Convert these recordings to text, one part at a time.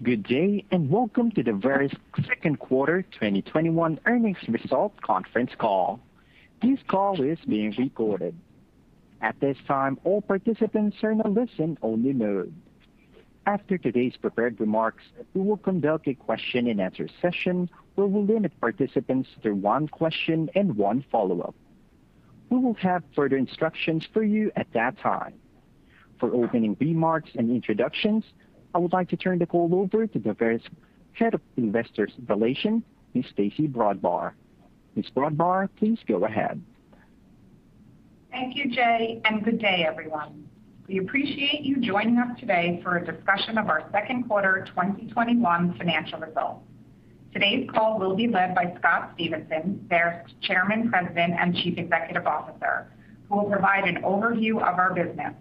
Good day, welcome to the Verisk second quarter 2021 earnings result conference call. This call is being recorded. At this time, all participants are in a listen-only mode. After today's prepared remarks, we will conduct a question-and-answer session where we'll limit participants to one question and one follow-up. We will have further instructions for you at that time. For opening remarks and introductions, I would like to turn the call over to the Verisk Head of Investor Relations, Ms. Stacey Brodbar. Ms. Brodbar, please go ahead. Thank you, Jay. Good day everyone. We appreciate you joining us today for a discussion of our second quarter 2021 financial results. Today's call will be led by Scott G. Stephenson, Verisk Chairman, President, and Chief Executive Officer, who will provide an overview of our business.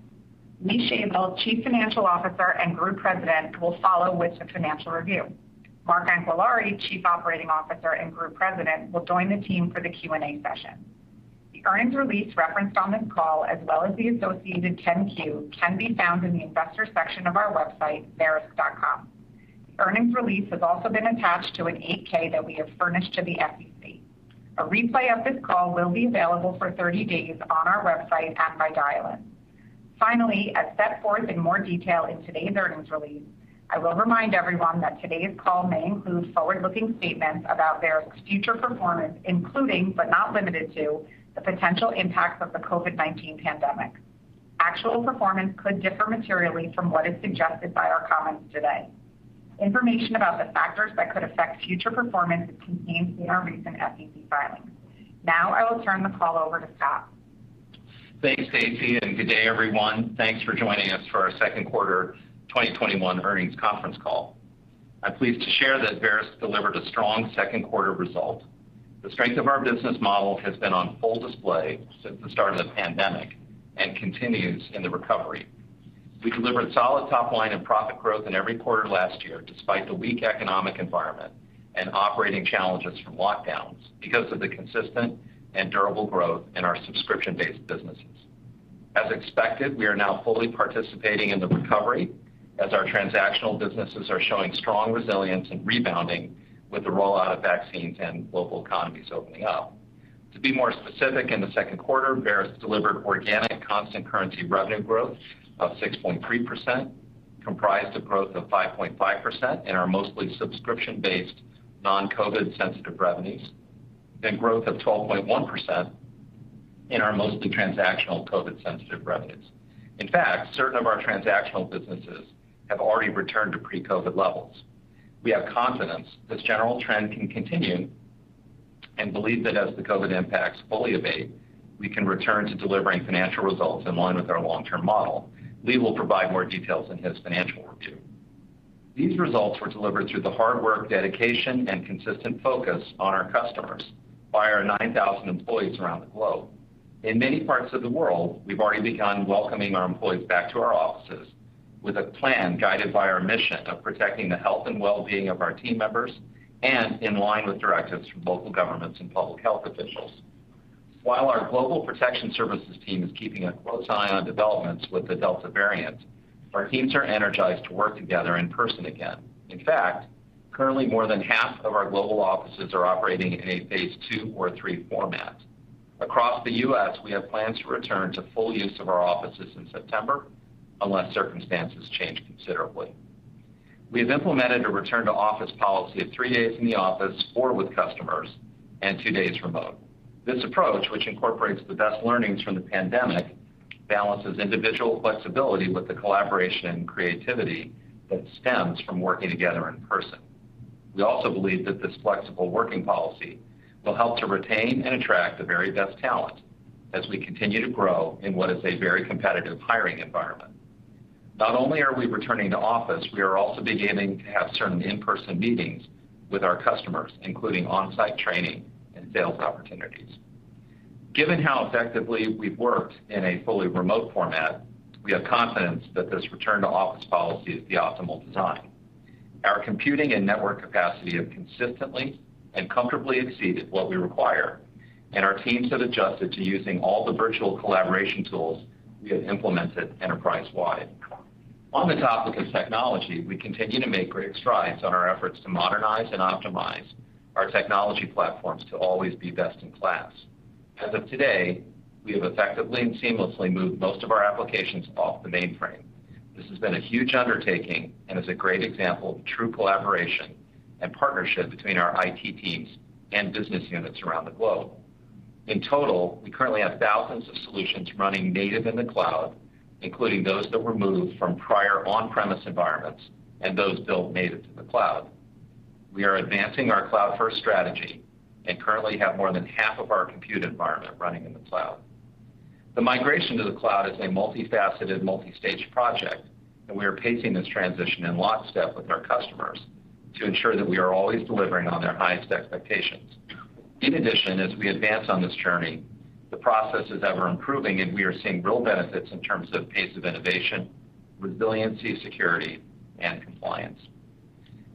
Lee Shavel, Chief Financial Officer and Group President, will follow with the financial review. Mark Anquillare, Chief Operating Officer and Group President, will join the team for the Q&A session. The earnings release referenced on this call as well as the associated 10-Q can be found in the investor section of our website, verisk.com. The earnings release has also been attached to an 8-K that we have furnished to the SEC. A replay of this call will be available for 30 days on our website and by dial-in. Finally, as set forth in more detail in today's earnings release, I will remind everyone that today's call may include forward-looking statements about Verisk's future performance, including but not limited to, the potential impacts of the COVID-19 pandemic. Actual performance could differ materially from what is suggested by our comments today. Information about the factors that could affect future performance is contained in our recent SEC filings. Now I will turn the call over to Scott. Thanks, Stacey, and good day everyone. Thanks for joining us for our second quarter 2021 earnings conference call. I'm pleased to share that Verisk delivered a strong second quarter result. The strength of our business model has been on full display since the start of the pandemic and continues in the recovery. We delivered solid top-line and profit growth in every quarter last year despite the weak economic environment and operating challenges from lockdowns because of the consistent and durable growth in our subscription-based businesses. As expected, we are now fully participating in the recovery as our transactional businesses are showing strong resilience and rebounding with the rollout of vaccines and global economies opening up. To be more specific, in the second quarter, Verisk delivered organic constant currency revenue growth of 6.3%, comprised of growth of 5.5% in our mostly subscription-based non-COVID sensitive revenues, and growth of 12.1% in our mostly transactional COVID sensitive revenues. In fact, certain of our transactional businesses have already returned to pre-COVID levels. We have confidence this general trend can continue, and believe that as the COVID impacts fully abate, we can return to delivering financial results in line with our long-term model. Lee will provide more details in his financial review. These results were delivered through the hard work, dedication, and consistent focus on our customers by our 9,000 employees around the globe. In many parts of the world, we've already begun welcoming our employees back to our offices with a plan guided by our mission of protecting the health and wellbeing of our team members, and in line with directives from local governments and public health officials. While our Global Protection Services team is keeping a close eye on developments with the Delta variant, our teams are energized to work together in person again. In fact, currently more than half of our global offices are operating in a phase II or III format. Across the U.S., we have plans to return to full use of our offices in September unless circumstances change considerably. We have implemented a return to office policy of three days in the office or with customers and two days remote. This approach, which incorporates the best learnings from the pandemic, balances individual flexibility with the collaboration and creativity that stems from working together in person. We also believe that this flexible working policy will help to retain and attract the very best talent as we continue to grow in what is a very competitive hiring environment. Not only are we returning to office, we are also beginning to have certain in-person meetings with our customers, including on-site training and sales opportunities. Given how effectively we've worked in a fully remote format, we have confidence that this return to office policy is the optimal design. Our computing and network capacity have consistently and comfortably exceeded what we require, and our teams have adjusted to using all the virtual collaboration tools we have implemented enterprise-wide. On the topic of technology, we continue to make great strides on our efforts to modernize and optimize our technology platforms to always be best in class. As of today, we have effectively and seamlessly moved most of our applications off the mainframe. This has been a huge undertaking and is a great example of true collaboration and partnership between our IT teams and business units around the globe. In total, we currently have thousands of solutions running native in the cloud, including those that were moved from prior on-premise environments and those built native to the cloud. We are advancing our cloud-first strategy and currently have more than half of our compute environment running in the cloud. The migration to the cloud is a multifaceted, multi-stage project, and we are pacing this transition in lockstep with our customers to ensure that we are always delivering on their highest expectations. In addition, as we advance on this journey, the process is ever improving, and we are seeing real benefits in terms of pace of innovation, resiliency, security, and compliance.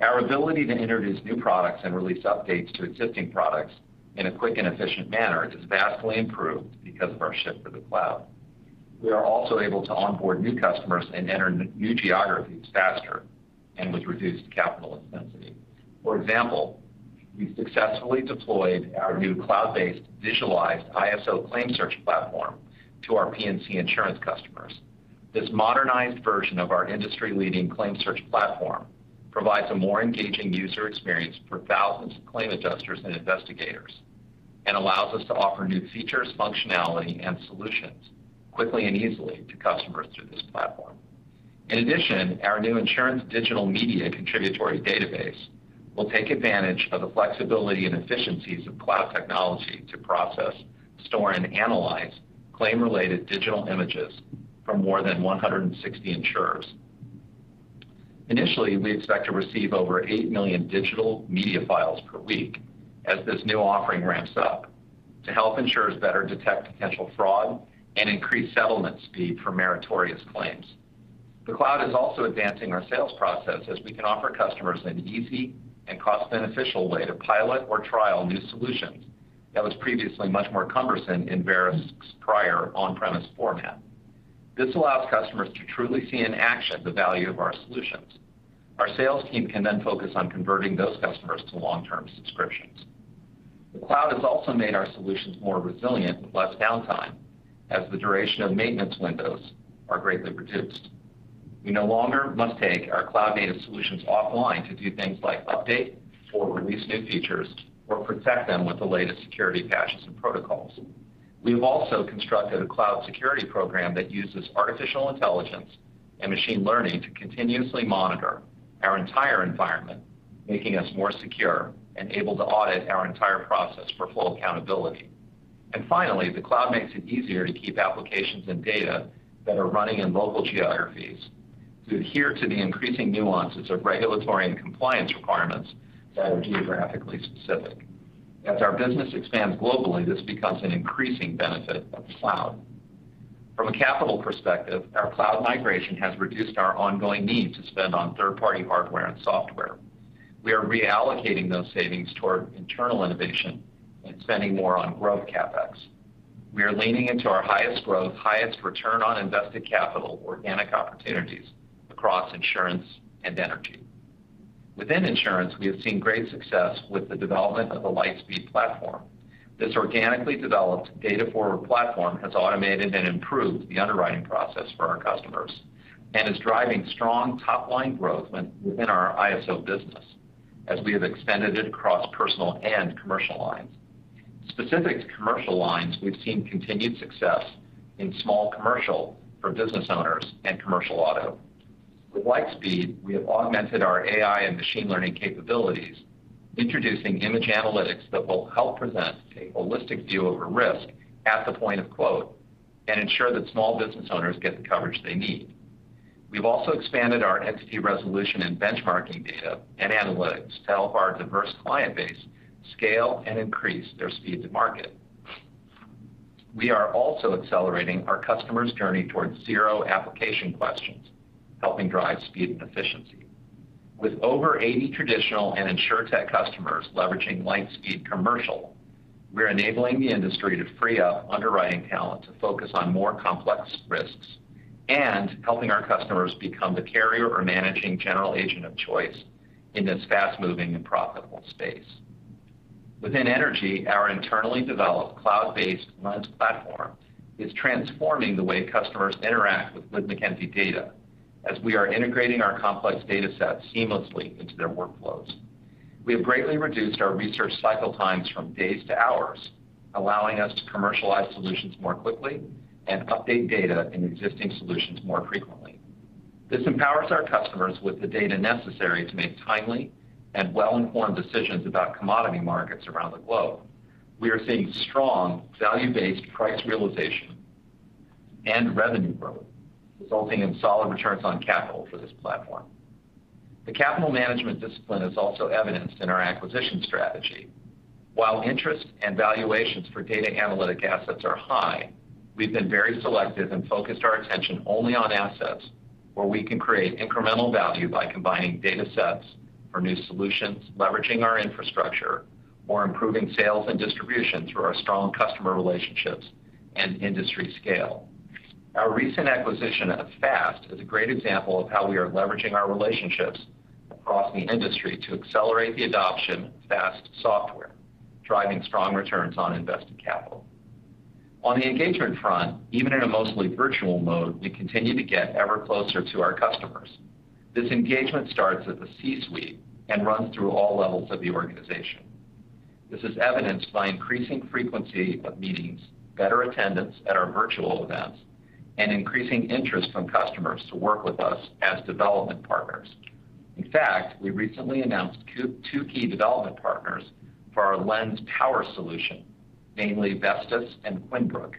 Our ability to introduce new products and release updates to existing products in a quick and efficient manner is vastly improved because of our shift to the cloud. We are also able to onboard new customers and enter new geographies faster and with reduced capital intensity. For example, we successfully deployed our new cloud-based visualized ISO ClaimSearch platform to our P&C Insurance customers. This modernized version of our industry-leading ClaimSearch platform provides a more engaging user experience for thousands of claim adjusters and investigators and allows us to offer new features, functionality, and solutions quickly and easily to customers through this platform. In addition, our new insurance digital media contributory database will take advantage of the flexibility and efficiencies of cloud technology to process, store, and analyze claim-related digital images from more than 160 insurers. Initially, we expect to receive over 8 million digital media files per week as this new offering ramps up to help insurers better detect potential fraud and increase settlement speed for meritorious claims. The cloud is also advancing our sales process as we can offer customers an easy and cost-beneficial way to pilot or trial new solutions that was previously much more cumbersome in Verisk's prior on-premise format. This allows customers to truly see in action the value of our solutions. Our sales team can focus on converting those customers to long-term subscriptions. The cloud has also made our solutions more resilient with less downtime as the duration of maintenance windows are greatly reduced. We no longer must take our cloud-native solutions offline to do things like update or release new features or protect them with the latest security patches and protocols. We've also constructed a cloud security program that uses artificial intelligence and machine learning to continuously monitor our entire environment, making us more secure and able to audit our entire process for full accountability. Finally, the cloud makes it easier to keep applications and data that are running in local geographies to adhere to the increasing nuances of regulatory and compliance requirements that are geographically specific. As our business expands globally, this becomes an increasing benefit of cloud. From a capital perspective, our cloud migration has reduced our ongoing need to spend on third-party hardware and software. We are reallocating those savings toward internal innovation and spending more on growth CapEx. We are leaning into our highest growth, highest return on invested capital organic opportunities across insurance and energy. Within insurance, we have seen great success with the development of the LightSpeed platform. This organically developed data-forward platform has automated and improved the underwriting process for our customers and is driving strong top-line growth within our ISO business as we have expanded it across personal and commercial lines. Specific to commercial lines, we've seen continued success in small commercial for business owners and commercial auto. With LightSpeed, we have augmented our AI and machine learning capabilities, introducing image analytics that will help present a holistic view of a risk at the point of quote and ensure that small business owners get the coverage they need. We've also expanded our entity resolution and benchmarking data and analytics to help our diverse client base scale and increase their speed to market. We are also accelerating our customers' journey towards zero application questions, helping drive speed and efficiency. With over 80 traditional and Insurtech customers leveraging LightSpeed Commercial, we're enabling the industry to free up underwriting talent to focus on more complex risks and helping our customers become the carrier or managing general agent of choice in this fast-moving and profitable space. Within energy, our internally developed cloud-based Lens platform is transforming the way customers interact with Wood Mackenzie data as we are integrating our complex data sets seamlessly into their workflows. We have greatly reduced our research cycle times from days to hours, allowing us to commercialize solutions more quickly and update data in existing solutions more frequently. This empowers our customers with the data necessary to make timely and well-informed decisions about commodity markets around the globe. We are seeing strong value-based price realization and revenue growth, resulting in solid returns on capital for this platform. The capital management discipline is also evidenced in our acquisition strategy. While interest and valuations for data analytic assets are high, we've been very selective and focused our attention only on assets where we can create incremental value by combining data sets for new solutions, leveraging our infrastructure, or improving sales and distribution through our strong customer relationships and industry scale. Our recent acquisition of FAST is a great example of how we are leveraging our relationships across the industry to accelerate the adoption of FAST's software, driving strong returns on invested capital. On the engagement front, even in a mostly virtual mode, we continue to get ever closer to our customers. This engagement starts at the C-suite and runs through all levels of the organization. This is evidenced by increasing frequency of meetings, better attendance at our virtual events, and increasing interest from customers to work with us as development partners. In fact, we recently announced two key development partners for our Lens Power solution, namely Vestas and Quinbrook.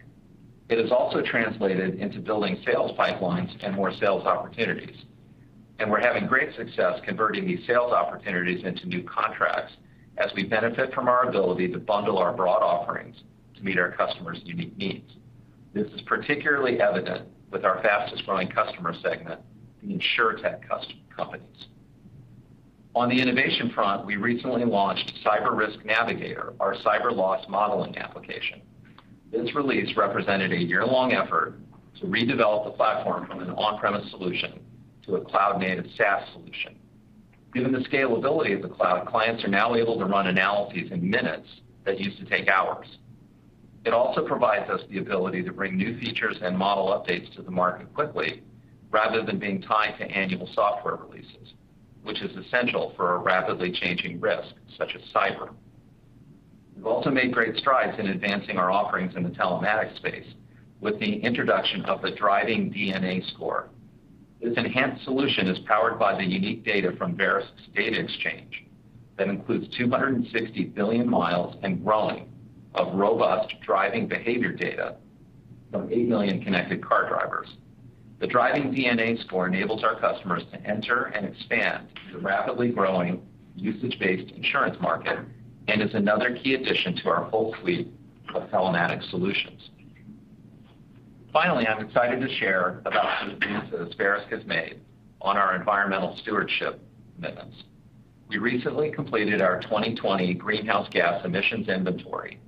It has also translated into building sales pipelines and more sales opportunities. We're having great success converting these sales opportunities into new contracts as we benefit from our ability to bundle our broad offerings to meet our customers' unique needs. This is particularly evident with our fastest-growing customer segment, the Insurtech companies. On the innovation front, we recently launched Cyber Risk Navigator, our cyber loss modeling application. This release represented a year-long effort to redevelop the platform from an on-premise solution to a cloud-native SaaS solution. Given the scalability of the cloud, clients are now able to run analyses in minutes that used to take hours. It also provides us the ability to bring new features and model updates to the market quickly, rather than being tied to annual software releases, which is essential for a rapidly changing risk such as cyber. We've also made great strides in advancing our offerings in the telematics space with the introduction of the Driving DNA Score. This enhanced solution is powered by the unique data from Verisk's Data Exchange that includes 260 billion miles and growing of robust driving behavior data from 8 million connected car drivers. The Driving DNA Score enables our customers to enter and expand the rapidly growing usage-based insurance market and is another key addition to our whole fleet of telematics solutions. Finally, I'm excited to share about some advances Verisk has made on our environmental stewardship commitments. We recently completed our 2020 greenhouse gas emissions inventory,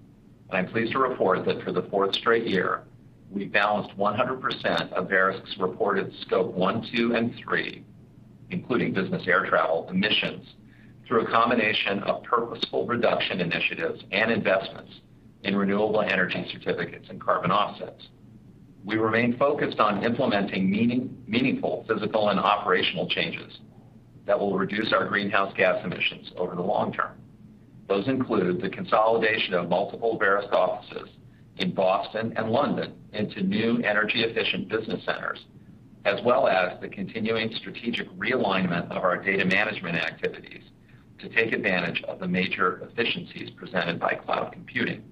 and I'm pleased to report that for the fourth straight year, we balanced 100% of Verisk's reported scope one, two, and three, including business air travel emissions, through a combination of purposeful reduction initiatives and investments in renewable energy certificates and carbon offsets. We remain focused on implementing meaningful physical and operational changes that will reduce our greenhouse gas emissions over the long-term. Those include the consolidation of multiple Verisk offices in Boston and London into new energy-efficient business centers, as well as the continuing strategic realignment of our data management activities to take advantage of the major efficiencies presented by cloud computing.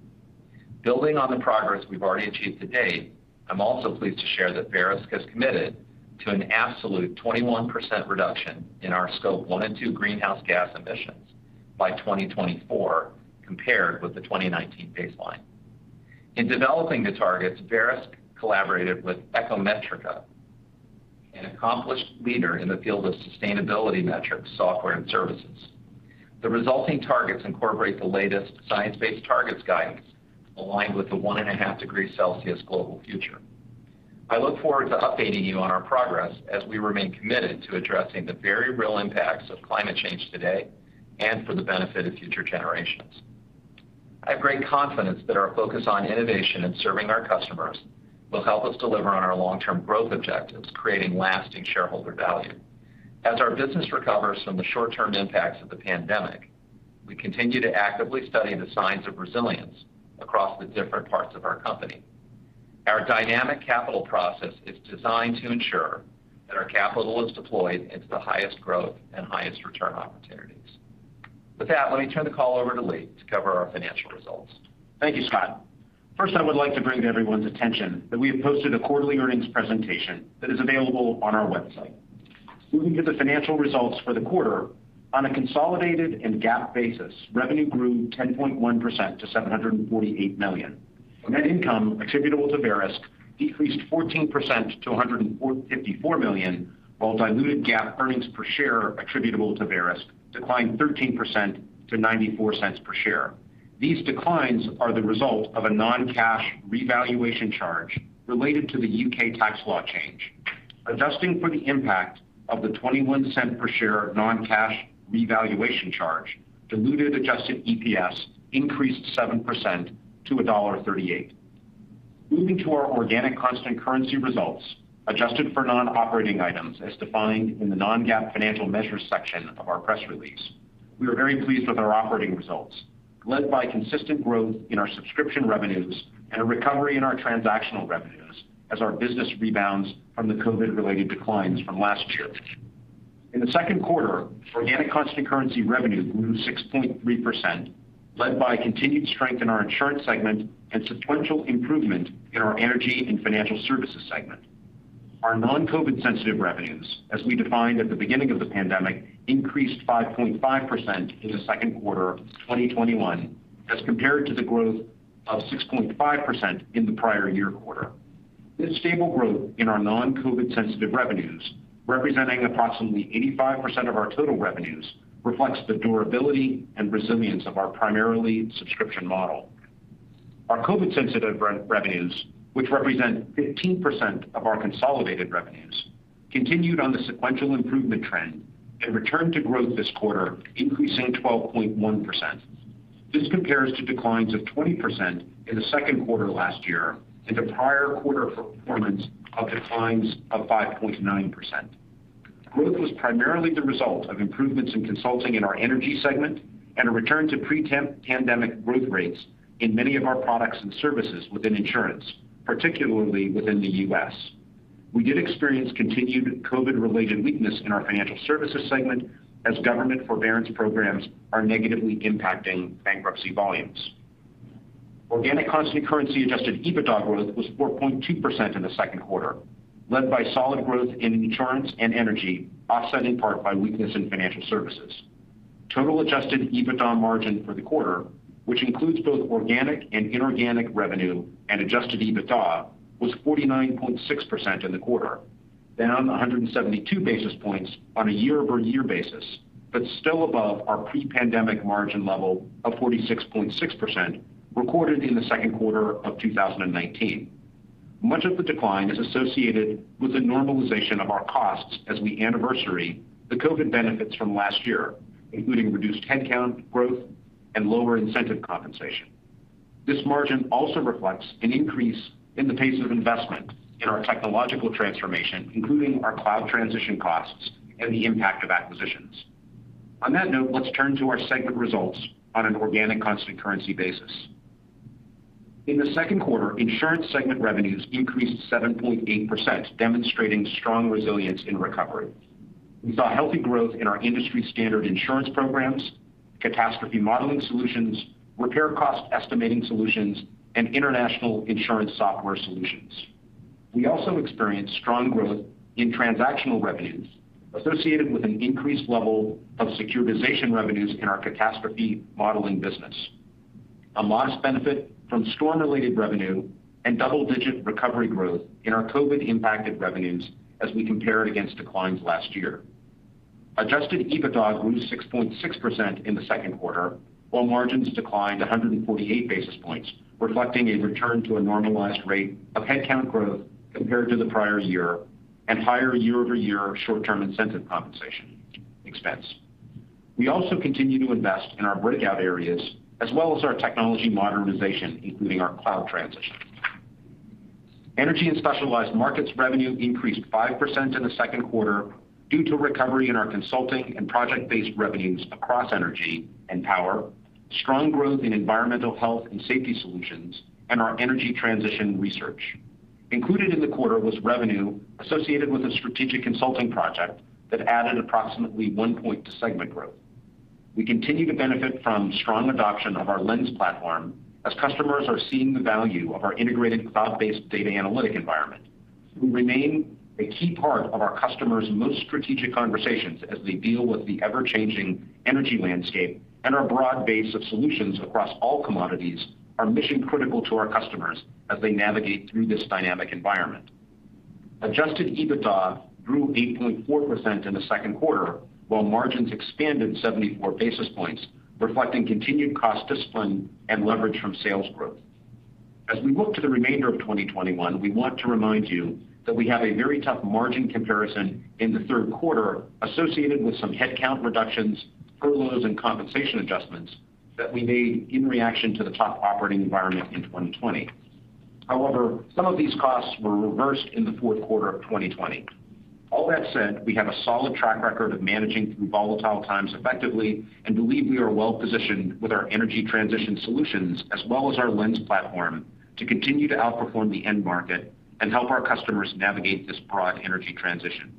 Building on the progress we've already achieved to date, I'm also pleased to share that Verisk has committed to an absolute 21% reduction in our scope one and two greenhouse gas emissions by 2024, compared with the 2019 baseline. In developing the targets, Verisk collaborated with Ecometrica, an accomplished leader in the field of sustainability metric software and services. The resulting targets incorporate the latest science-based targets guidance aligned with the 1.5 degree Celsius global future. I look forward to updating you on our progress as we remain committed to addressing the very real impacts of climate change today and for the benefit of future generations. I have great confidence that our focus on innovation and serving our customers will help us deliver on our long-term growth objectives, creating lasting shareholder value. As our business recovers from the short-term impacts of the pandemic, we continue to actively study the signs of resilience across the different parts of our company. Our dynamic capital process is designed to ensure that our capital is deployed into the highest growth and highest return opportunities. With that, let me turn the call over to Lee to cover our financial results. Thank you, Scott. First, I would like to bring to everyone's attention that we have posted a quarterly earnings presentation that is available on our website. Moving to the financial results for the quarter, on a consolidated and GAAP basis, revenue grew 10.1% to $748 million. Net income attributable to Verisk decreased 14% to $154 million, while diluted GAAP earnings per share attributable to Verisk declined 13% to $0.94 per share. These declines are the result of a non-cash revaluation charge related to the U.K. tax law change. Adjusting for the impact of the $0.21 per share non-cash revaluation charge, diluted adjusted EPS increased 7% to $1.38. Moving to our organic constant currency results, adjusted for non-operating items as defined in the non-GAAP financial measures section of our press release. We are very pleased with our operating results, led by consistent growth in our subscription revenues and a recovery in our transactional revenues as our business rebounds from the COVID-related declines from last year. In the second quarter, organic constant currency revenue grew 6.3%, led by continued strength in our insurance segment and sequential improvement in our energy and financial services segment. Our non-COVID sensitive revenues, as we defined at the beginning of the pandemic, increased 5.5% in the second quarter of 2021 as compared to the growth of 6.5% in the prior year quarter. This stable growth in our non-COVID sensitive revenues, representing approximately 85% of our total revenues, reflects the durability and resilience of our primarily subscription model. Our COVID sensitive revenues, which represent 15% of our consolidated revenues, continued on the sequential improvement trend and returned to growth this quarter, increasing 12.1%. This compares to declines of 20% in the second quarter last year and to prior quarter performance of declines of 5.9%. Growth was primarily the result of improvements in consulting in our energy segment and a return to pre-pandemic growth rates in many of our products and services within insurance, particularly within the U.S. We did experience continued COVID-related weakness in our financial services segment as government forbearance programs are negatively impacting bankruptcy volumes. Organic constant currency adjusted EBITDA growth was 4.2% in the second quarter, led by solid growth in insurance and energy, offset in part by weakness in financial services. Total adjusted EBITDA margin for the quarter, which includes both organic and inorganic revenue and adjusted EBITDA, was 49.6% in the quarter, down 172 basis points on a year-over-year basis, but still above our pre-pandemic margin level of 46.6% recorded in the second quarter of 2019. Much of the decline is associated with the normalization of our costs as we anniversary the COVID-19 benefits from last year, including reduced headcount growth and lower incentive compensation. This margin also reflects an increase in the pace of investment in our technological transformation, including our cloud transition costs and the impact of acquisitions. On that note, let's turn to our segment results on an organic constant currency basis. In the second quarter, insurance segment revenues increased 7.8%, demonstrating strong resilience in recovery. We saw healthy growth in our industry standard insurance programs, catastrophe modeling solutions, repair cost estimating solutions, and international insurance software solutions. We also experienced strong growth in transactional revenues associated with an increased level of securitization revenues in our catastrophe modeling business. A modest benefit from storm-related revenue and double-digit recovery growth in our COVID-19-impacted revenues as we compared against declines last year. Adjusted EBITDA grew 6.6% in the second quarter, while margins declined 148 basis points, reflecting a return to a normalized rate of headcount growth compared to the prior year and higher year-over-year short-term incentive compensation expense. We also continue to invest in our breakout areas as well as our technology modernization, including our cloud transition. Energy and Specialized Markets revenue increased 5% in the second quarter due to recovery in our consulting and project-based revenues across energy and power, strong growth in environmental health and safety solutions, and our energy transition research. Included in the quarter was revenue associated with a strategic consulting project that added approximately one point to segment growth. We continue to benefit from strong adoption of our Lens platform as customers are seeing the value of our integrated cloud-based data analytic environment. We remain a key part of our customers' most strategic conversations as they deal with the ever-changing energy landscape and our broad base of solutions across all commodities are mission-critical to our customers as they navigate through this dynamic environment. Adjusted EBITDA grew 8.4% in the second quarter while margins expanded 74 basis points, reflecting continued cost discipline and leverage from sales growth. As we look to the remainder of 2021, we want to remind you that we have a very tough margin comparison in the third quarter associated with some headcount reductions, furloughs, and compensation adjustments that we made in reaction to the tough operating environment in 2020. However, some of these costs were reversed in the fourth quarter of 2020. All that said, we have a solid track record of managing through volatile times effectively and believe we are well-positioned with our energy transition solutions as well as our Lens platform to continue to outperform the end market and help our customers navigate this broad energy transition.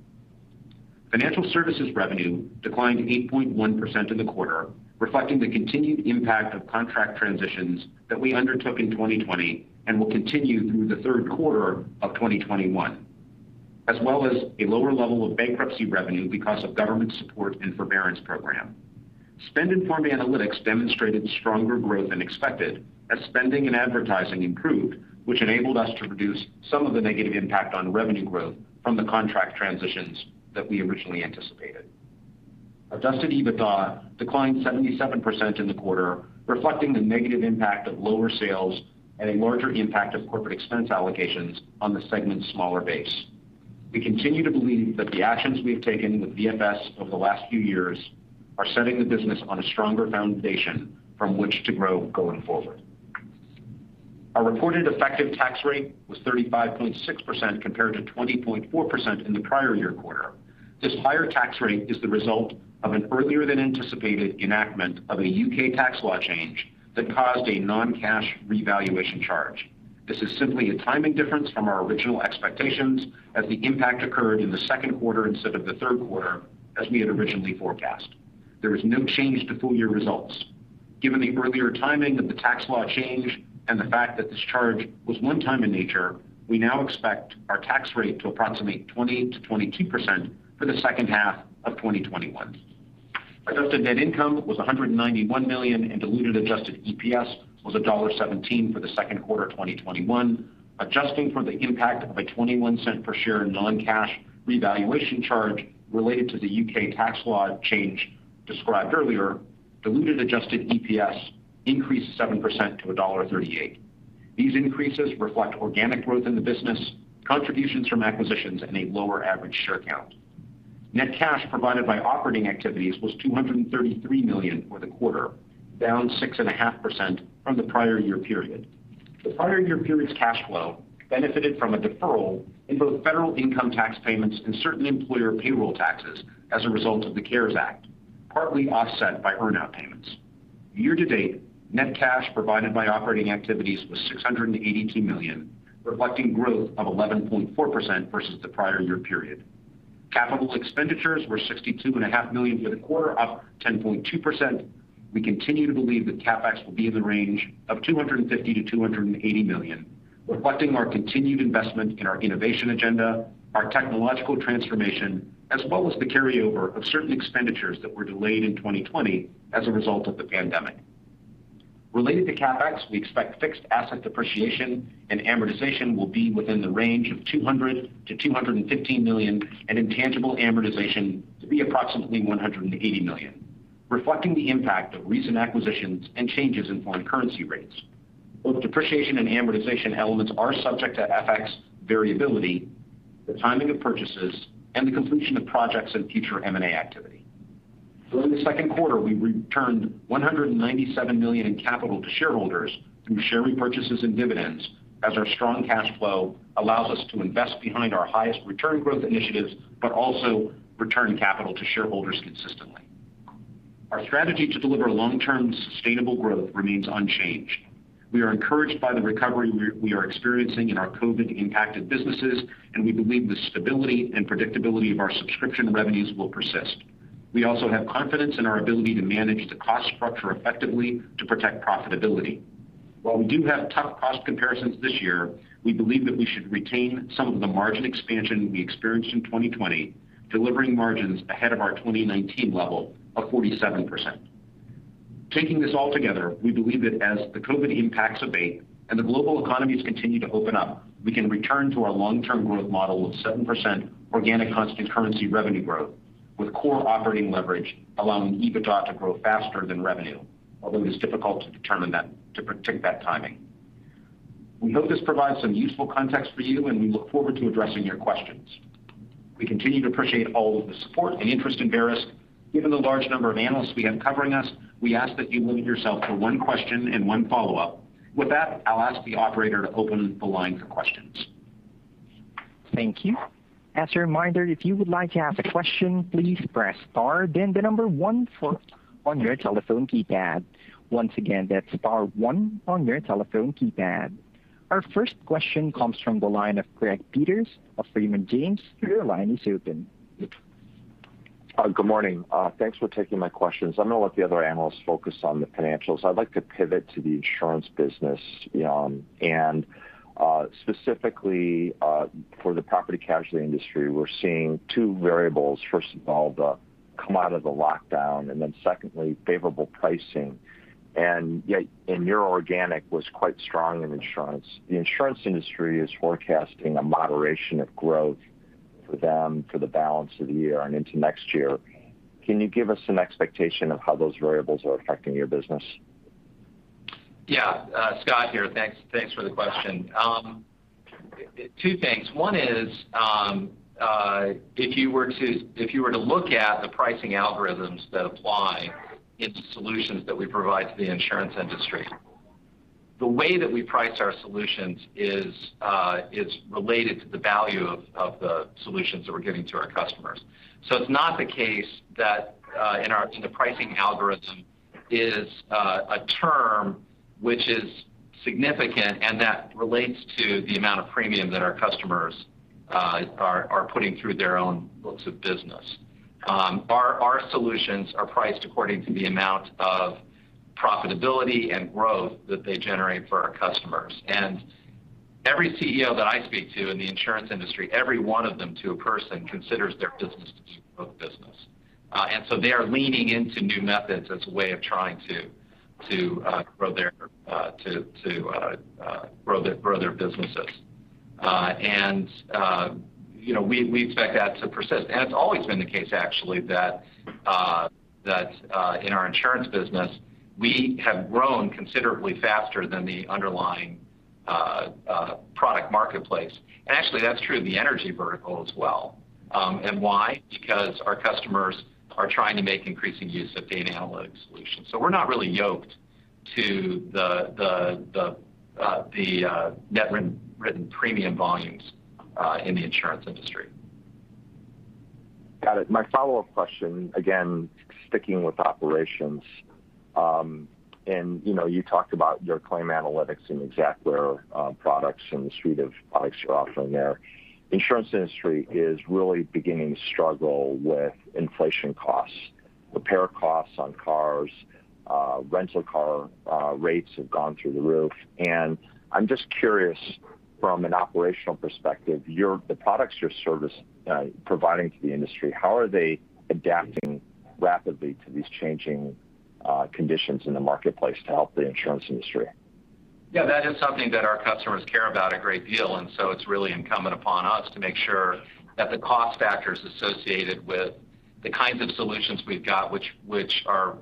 Financial services revenue declined 8.1% in the quarter, reflecting the continued impact of contract transitions that we undertook in 2020 and will continue through the third quarter of 2021, as well as a lower level of bankruptcy revenue because of government support and forbearance program. Spend-Informed Analytics demonstrated stronger growth than expected as spending and advertising improved, which enabled us to reduce some of the negative impact on revenue growth from the contract transitions that we originally anticipated. Adjusted EBITDA declined 77% in the quarter, reflecting the negative impact of lower sales and a larger impact of corporate expense allocations on the segment's smaller base. We continue to believe that the actions we've taken with VFS over the last few years are setting the business on a stronger foundation from which to grow going forward. Our reported effective tax rate was 35.6% compared to 20.4% in the prior year quarter. This higher tax rate is the result of an earlier than anticipated enactment of a U.K. tax law change that caused a non-cash revaluation charge. This is simply a timing difference from our original expectations as the impact occurred in the second quarter instead of the third quarter as we had originally forecast. There is no change to full-year results. Given the earlier timing of the tax law change and the fact that this charge was one time in nature, we now expect our tax rate to approximate 20%-22% for the second half of 2021. Adjusted net income was $191 million, and diluted adjusted EPS was $1.17 for the second quarter of 2021. Adjusting for the impact of a $0.21 per share non-cash revaluation charge related to the U.K. tax law change described earlier, diluted adjusted EPS increased 7% to $1.38. These increases reflect organic growth in the business, contributions from acquisitions, and a lower average share count. Net cash provided by operating activities was $233 million for the quarter, down 6.5% from the prior year period. The prior year period's cash flow benefited from a deferral in both federal income tax payments and certain employer payroll taxes as a result of the CARES Act, partly offset by earn-out payments. Year-to-date, net cash provided by operating activities was $682 million, reflecting growth of 11.4% versus the prior year period. Capital expenditures were $62.5 million for the quarter, up 10.2%. We continue to believe that CapEx will be in the range of $250 million-$280 million, reflecting our continued investment in our innovation agenda, our technological transformation, as well as the carryover of certain expenditures that were delayed in 2020 as a result of the pandemic. Related to CapEx, we expect fixed asset depreciation and amortization will be within the range of $200 million-$215 million, and intangible amortization to be approximately $180 million, reflecting the impact of recent acquisitions and changes in foreign currency rates. Both depreciation and amortization elements are subject to FX variability, the timing of purchases, and the completion of projects and future M&A activity. During the second quarter, we returned $197 million in capital to shareholders through share repurchases and dividends, as our strong cash flow allows us to invest behind our highest return growth initiatives, but also return capital to shareholders consistently. Our strategy to deliver long-term sustainable growth remains unchanged. We are encouraged by the recovery we are experiencing in our COVID-impacted businesses, and we believe the stability and predictability of our subscription revenues will persist. We also have confidence in our ability to manage the cost structure effectively to protect profitability. While we do have tough cost comparisons this year, we believe that we should retain some of the margin expansion we experienced in 2020, delivering margins ahead of our 2019 level of 47%. Taking this all together, we believe that as the COVID impacts abate and the global economies continue to open up, we can return to our long-term growth model of 7% organic constant currency revenue growth, with core operating leverage allowing EBITDA to grow faster than revenue, although it is difficult to predict that timing. We hope this provides some useful context for you, and we look forward to addressing your questions. We continue to appreciate all of the support and interest in Verisk. Given the large number of analysts we have covering us, we ask that you limit yourself to one question and one follow-up. With that, I'll ask the operator to open the line for questions. Thank you. As a reminder, if you would like to ask a question, please press star then the number one on your telephone keypad. Once again, that's star one on your telephone keypad. Our first question comes from the line of Gregory Peters of Raymond James. Your line is open. Good morning. Thanks for taking my questions. I'm going to let the other analysts focus on the financials. I'd like to pivot to the insurance business, and specifically, for the property casualty industry, we're seeing two variables. First of all, the come out of the lockdown, and then secondly, favorable pricing. Your organic was quite strong in insurance. The insurance industry is forecasting a moderation of growth for them for the balance of the year and into next year. Can you give us some expectation of how those variables are affecting your business? Yeah. Scott here. Thanks for the question. Two things. One is, if you were to look at the pricing algorithms that apply in the solutions that we provide to the insurance industry, the way that we price our solutions is related to the value of the solutions that we're giving to our customers. It's not the case that in the pricing algorithm is a term which is significant and that relates to the amount of premium that our customers are putting through their own books of business. Our solutions are priced according to the amount of profitability and growth that they generate for our customers. Every CEO that I speak to in the insurance industry, every one of them to a person considers their business to be a book business. They are leaning into new methods as a way of trying to grow their businesses. We expect that to persist. It's always been the case, actually, that in our insurance business, we have grown considerably faster than the underlying product marketplace. Actually, that's true in the energy vertical as well. Why? Because our customers are trying to make increasing use of data analytics solutions. We're not really yoked to the net written premium volumes in the insurance industry. Got it. My follow-up question, again, sticking with operations. You talked about your claim analytics and Xactware products and the suite of products you're offering there. Insurance industry is really beginning to struggle with inflation costs, repair costs on cars, rental car rates have gone through the roof. I'm just curious from an operational perspective, the products you're providing to the industry, how are they adapting rapidly to these changing conditions in the marketplace to help the insurance industry? Yeah, that is something that our customers care about a great deal. It's really incumbent upon us to make sure that the cost factors associated with the kinds of solutions we've got, which are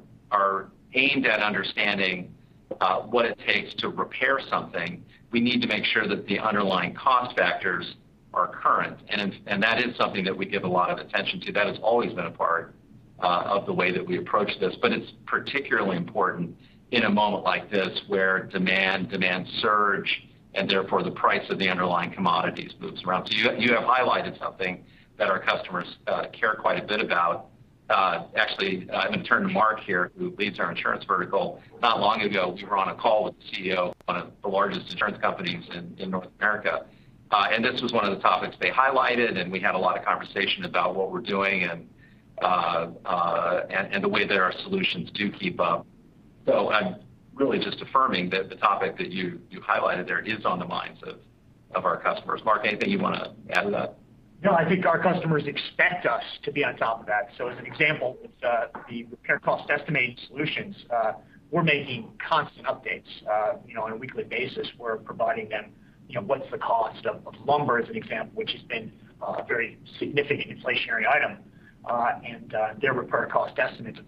aimed at understanding what it takes to repair something, we need to make sure that the underlying cost factors are current. That is something that we give a lot of attention to. That has always been a part of the way that we approach this, but it's particularly important in a moment like this where demand surge, and therefore the price of the underlying commodities moves around. You have highlighted something that our customers care quite a bit about. Actually, I'm going to turn to Mark here, who leads our insurance vertical. Not long ago, we were on a call with the CEO of one of the largest insurance companies in North America. This was one of the topics they highlighted, and we had a lot of conversation about what we're doing and the way that our solutions do keep up I'm really just affirming that the topic that you highlighted there is on the minds of our customers. Mark, anything you want to add to that? No, I think our customers expect us to be on top of that. As an example, with the repair cost estimating solutions, we're making constant updates. On a weekly basis, we're providing them, what is the cost of lumber, as an example, which has been a very significant inflationary item. Their repair cost estimates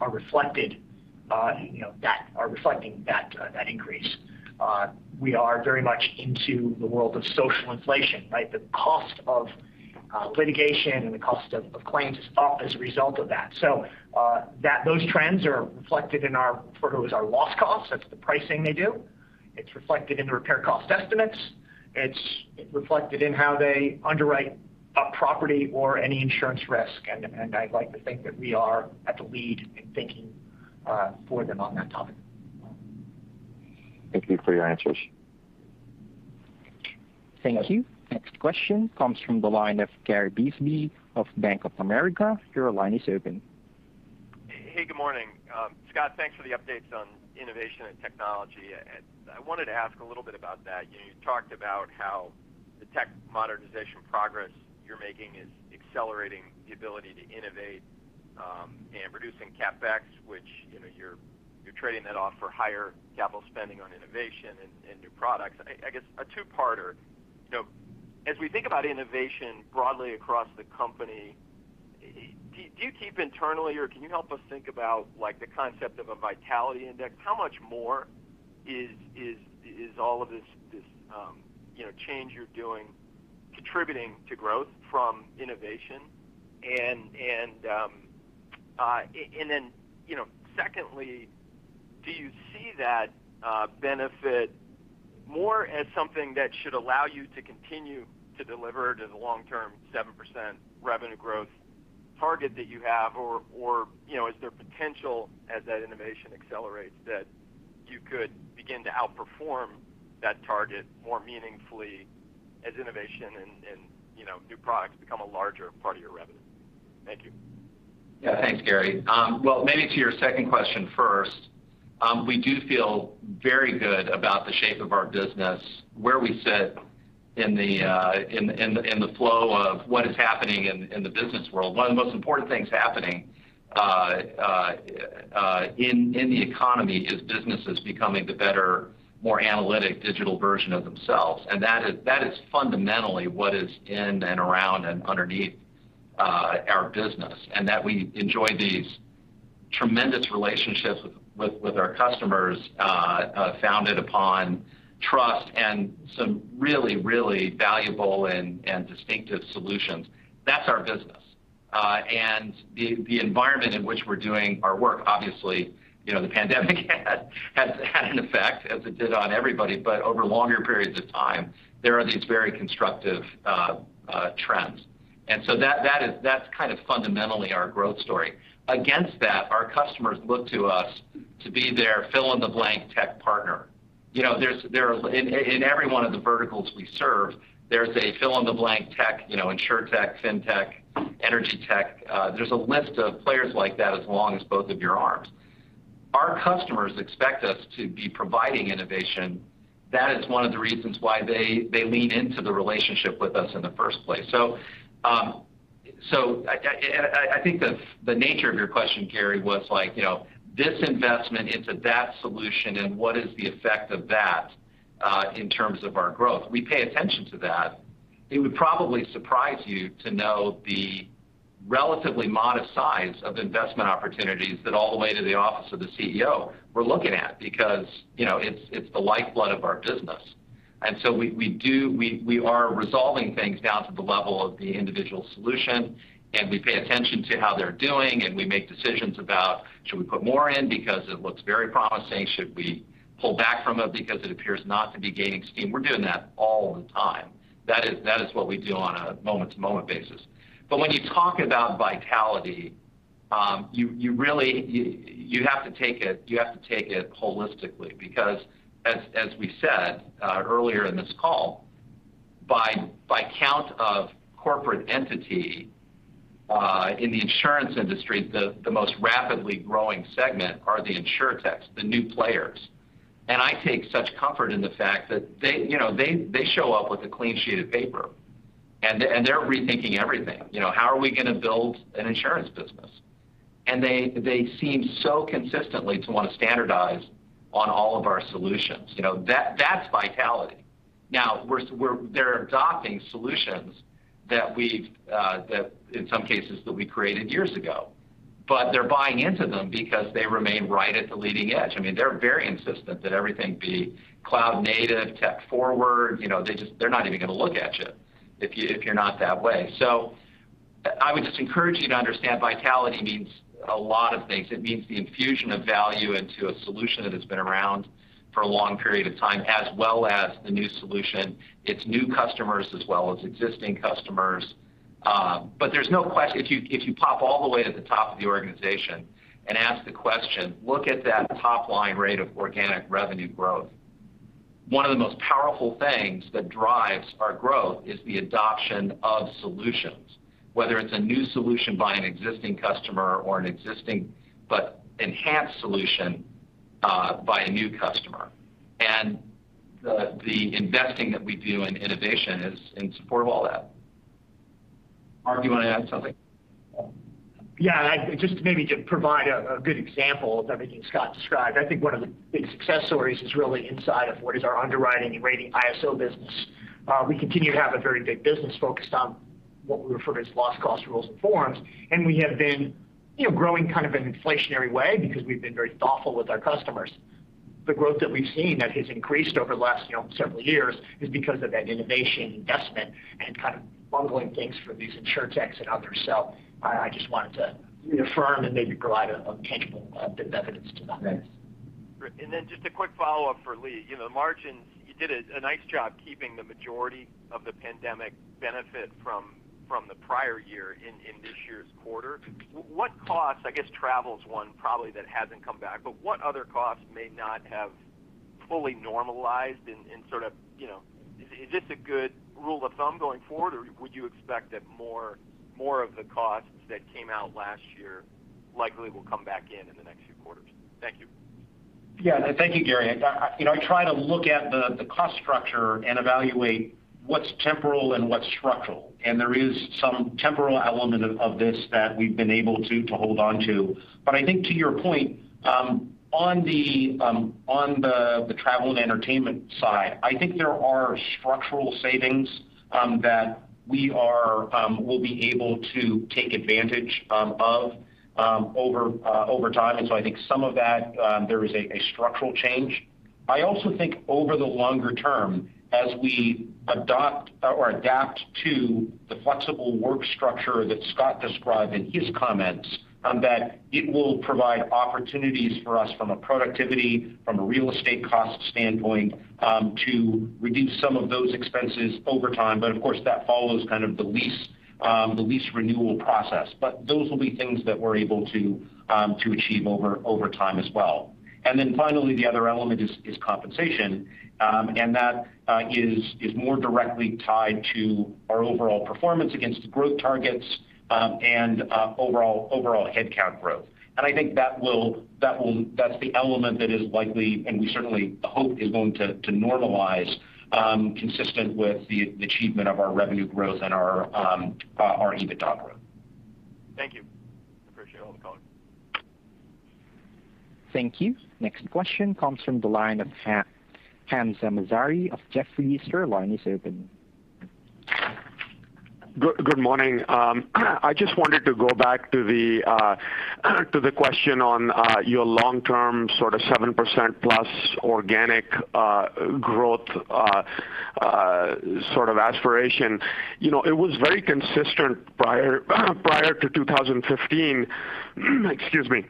are reflecting that increase. We are very much into the world of social inflation, right? The cost of litigation and the cost of claims is up as a result of that. Those trends are reflected in our loss costs. That's the pricing they do. It's reflected in the repair cost estimates. It's reflected in how they underwrite a property or any insurance risk. I'd like to think that we are at the lead in thinking for them on that topic. Thank you for your answers. Thank you. Next question comes from the line of Gary Bisbee of Bank of America. Your line is open. Hey, good morning. Scott, thanks for the updates on innovation and technology. I wanted to ask a little bit about that. You talked about how the tech modernization progress you're making is accelerating the ability to innovate, and reducing CapEx, which you're trading that off for higher capital spending on innovation and new products. I guess a two-parter. As we think about innovation broadly across the company, do you keep internally, or can you help us think about the concept of a vitality index? How much more is all of this change you're doing contributing to growth from innovation? Secondly, do you see that benefit more as something that should allow you to continue to deliver to the long-term 7% revenue growth target that you have, or is there potential as that innovation accelerates, that you could begin to outperform that target more meaningfully as innovation and new products become a larger part of your revenue? Thank you. Thanks, Gary. Well, maybe to your second question first. We do feel very good about the shape of our business, where we sit in the flow of what is happening in the business world. One of the most important things happening in the economy is businesses becoming the better, more analytic digital version of themselves. That is fundamentally what is in and around and underneath our business, and that we enjoy these tremendous relationships with our customers, founded upon trust and some really valuable and distinctive solutions. That's our business. The environment in which we're doing our work, obviously, the pandemic has had an effect, as it did on everybody. Over longer periods of time, there are these very constructive trends. That's kind of fundamentally our growth story. Against that, our customers look to us to be their fill-in-the-blank tech partner. In every one of the verticals we serve, there's a fill-in-the-blank tech, Insurtech, fintech, energy tech. There's a list of players like that as long as both of your arms. Our customers expect us to be providing innovation. That is one of the reasons why they lean into the relationship with us in the first place. I think the nature of your question, Gary, was like, this investment into that solution, and what is the effect of that, in terms of our growth? We pay attention to that. It would probably surprise you to know the relatively modest size of investment opportunities that all the way to the office of the CEO we're looking at, because it's the lifeblood of our business. We are resolving things down to the level of the individual solution, and we pay attention to how they're doing, and we make decisions about should we put more in because it looks very promising? Should we pull back from it because it appears not to be gaining steam? We're doing that all the time. That is what we do on a moment-to-moment basis. When you talk about vitality, you have to take it holistically, because as we said earlier in this call, by count of corporate entity, in the insurance industry, the most rapidly growing segment are the insurtechs, the new players. I take such comfort in the fact that they show up with a clean sheet of paper, and they're rethinking everything. How are we going to build an insurance business? They seem so consistently to want to standardize on all of our solutions. That's vitality. They're adopting solutions that in some cases, that we created years ago. They're buying into them because they remain right at the leading edge. They're very insistent that everything be cloud-native, tech forward. They're not even going to look at you if you're not that way. I would just encourage you to understand vitality means a lot of things. It means the infusion of value into a solution that has been around for a long period of time, as well as the new solution. It's new customers as well as existing customers. There's no question, if you pop all the way to the top of the organization and ask the question, look at that top-line rate of organic revenue growth. One of the most powerful things that drives our growth is the adoption of solutions, whether it's a new solution by an existing customer or an existing but enhanced solution by a new customer. The investing that we do in innovation is in support of all that. Mark, do you want to add something? Yeah. Just maybe to provide a good example of everything Scott described. I think one of the big success stories is really inside of what is our underwriting and rating ISO business. We continue to have a very big business focused on what we refer to as loss cost rules and forms, and we have been growing in an inflationary way because we've been very thoughtful with our customers. The growth that we've seen that has increased over the last several years is because of that innovation investment and bundling things for these Insurtechs and others. I just wanted to reaffirm and maybe provide a tangible bit of evidence to that. Great. Just a quick follow-up for Lee. Margins, you did a nice job keeping the majority of the pandemic benefit from the prior year in this year's quarter. What costs, I guess travel is one probably that hasn't come back, but what other costs may not have fully normalized? Is this a good rule of thumb going forward, or would you expect that more of the costs that came out last year likely will come back in the next few quarters? Thank you. Thank you, Gary. I try to look at the cost structure and evaluate what's temporal and what's structural. There is some temporal element of this that we've been able to hold on to. I think to your point, on the travel and entertainment side, I think there are structural savings that we'll be able to take advantage of over time. I think some of that, there is a structural change. I also think over the longer term, as we adopt or adapt to the flexible work structure that Scott described in his comments, that it will provide opportunities for us from a productivity, from a real estate cost standpoint, to reduce some of those expenses over time. Of course, that follows the lease renewal process. Those will be things that we're able to achieve over time as well. Then finally, the other element is compensation. That is more directly tied to our overall performance against growth targets and overall headcount growth. I think that's the element that is likely, and we certainly hope is going to normalize, consistent with the achievement of our revenue growth and our EBITDA growth. Thank you. Appreciate all the color. Thank you. Next question comes from the line of Hamzah Mazari of Jefferies. Your line is open. Good morning. I just wanted to go back to the question on your long-term 7%+ organic growth aspiration. It was very consistent prior to 2015. Excuse me.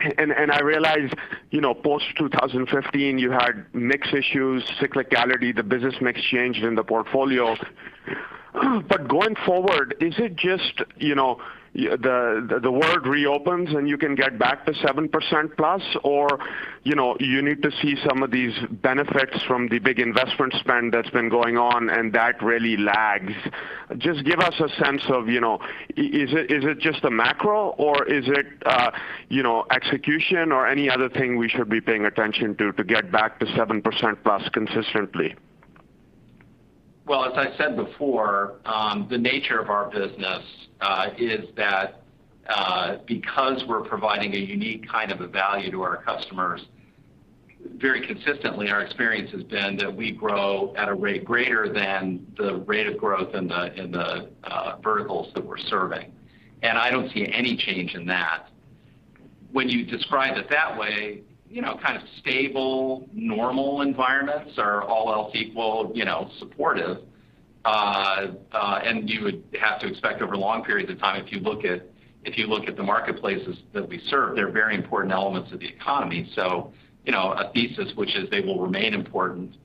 I realize post-2015, you had mix issues, cyclicality, the business mix changed in the portfolio. Going forward, is it just the world reopens, and you can get back to 7% plus, or you need to see some of these benefits from the big investment spend that's been going on, and that really lags? Just give us a sense of, is it just a macro, or is it execution or any other thing we should be paying attention to get back to 7% plus consistently? Well, as I said before, the nature of our business is that because we're providing a unique kind of a value to our customers, very consistently, our experience has been that we grow at a rate greater than the rate of growth in the verticals that we're serving. I don't see any change in that. When you describe it that way, stable, normal environments are all else equal supportive. You would have to expect over long periods of time, if you look at the marketplaces that we serve, they're very important elements of the economy. A thesis which is they will remain important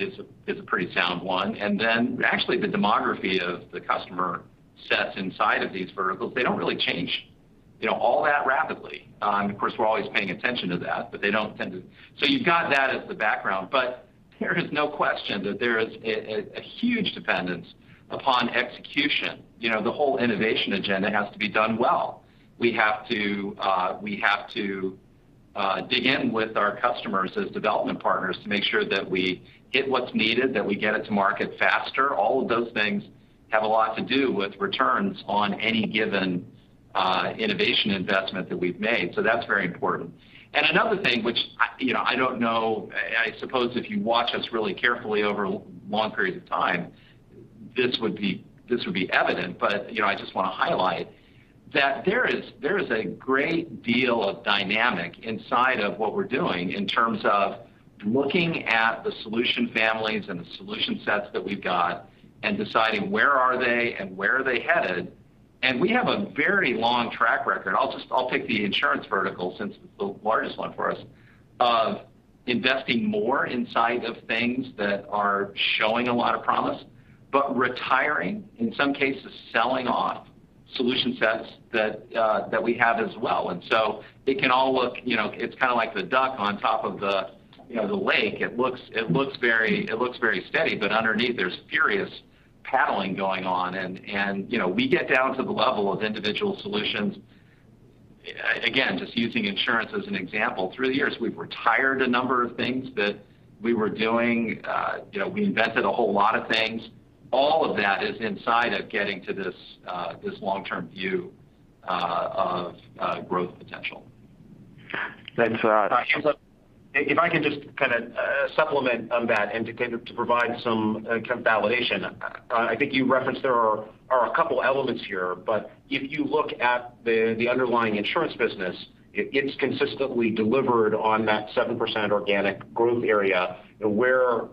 is a pretty sound one. The demography of the customer sets inside of these verticals, they don't really change all that rapidly. Of course, we're always paying attention to that, but they don't tend to. You've got that as the background, there is no question that there is a huge dependence upon execution. The whole innovation agenda has to be done well. We have to dig in with our customers as development partners to make sure that we get what's needed, that we get it to market faster. All of those things have a lot to do with returns on any given innovation investment that we've made. That's very important. Another thing which I don't know, I suppose if you watch us really carefully over long periods of time, this would be evident. I just want to highlight that there is a great deal of dynamic inside of what we're doing in terms of looking at the solution families and the solution sets that we've got, and deciding where are they and where are they headed. We have a very long track record. I'll take the insurance vertical since it's the largest one for us, of investing more inside of things that are showing a lot of promise, but retiring, in some cases, selling off solution sets that we have as well. It can all look, it's like the duck on top of the lake. It looks very steady, but underneath there's furious paddling going on. We get down to the level of individual solutions. Again, just using insurance as an example. Through the years, we've retired a number of things that we were doing. We invented a whole lot of things. All of that is inside of getting to this long-term view of growth potential. Thanks for that. If I can just supplement on that and to provide some kind of validation. I think you referenced there are a couple elements here. If you look at the underlying insurance business, it's consistently delivered on that 7% organic growth area. Where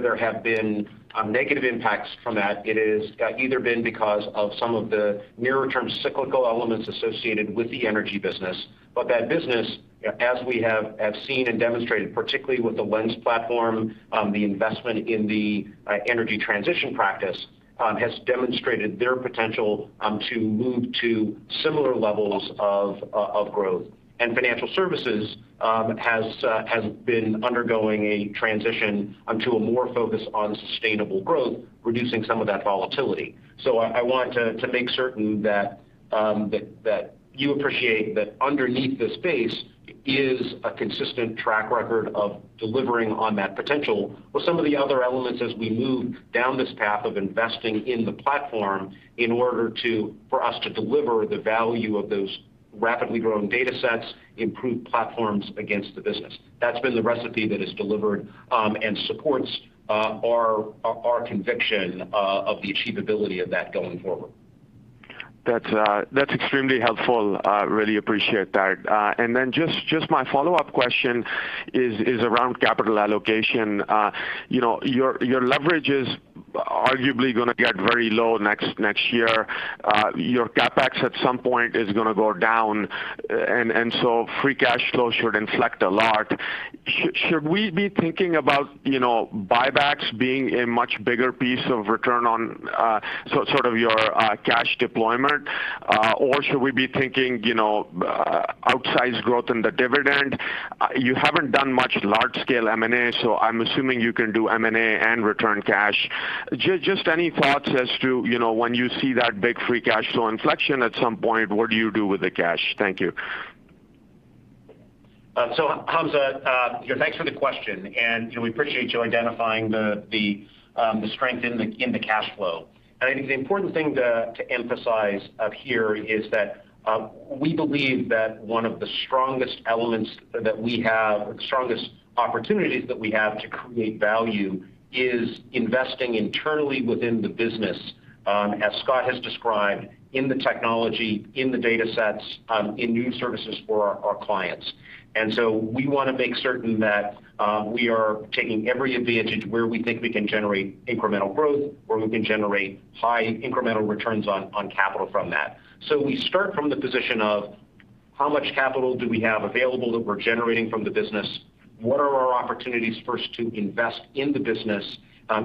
there have been negative impacts from that, it has either been because of some of the nearer-term cyclical elements associated with the energy business. That business, as we have seen and demonstrated, particularly with the Lens platform, the investment in the energy transition practice has demonstrated their potential to move to similar levels of growth. Financial services has been undergoing a transition to a more focus on sustainable growth, reducing some of that volatility. I want to make certain that you appreciate that underneath the space is a consistent track record of delivering on that potential with some of the other elements as we move down this path of investing in the platform in order for us to deliver the value of those rapidly growing data sets, improve platforms against the business. That's been the recipe that is delivered and supports our conviction of the achievability of that going forward. That's extremely helpful. I really appreciate that. Then just my follow-up question is around capital allocation. Your leverage is arguably going to get very low next year. Your CapEx at some point is going to go down, free cash flow should inflect a lot. Should we be thinking about buybacks being a much bigger piece of return on your cash deployment? Should we be thinking outsize growth in the dividend? You haven't done much large-scale M&A, I'm assuming you can do M&A and return cash. Just any thoughts as to when you see that big free cash flow inflection at some point, what do you do with the cash? Thank you. Hamzah, thanks for the question, and we appreciate you identifying the strength in the cash flow. I think the important thing to emphasize here is that we believe that one of the strongest elements that we have, or the strongest opportunities that we have to create value, is investing internally within the business, as Scott has described, in the technology, in the data sets, in new services for our clients. We want to make certain that we are taking every advantage where we think we can generate incremental growth, or we can generate high incremental returns on capital from that. We start from the position of how much capital do we have available that we're generating from the business? What are our opportunities first to invest in the business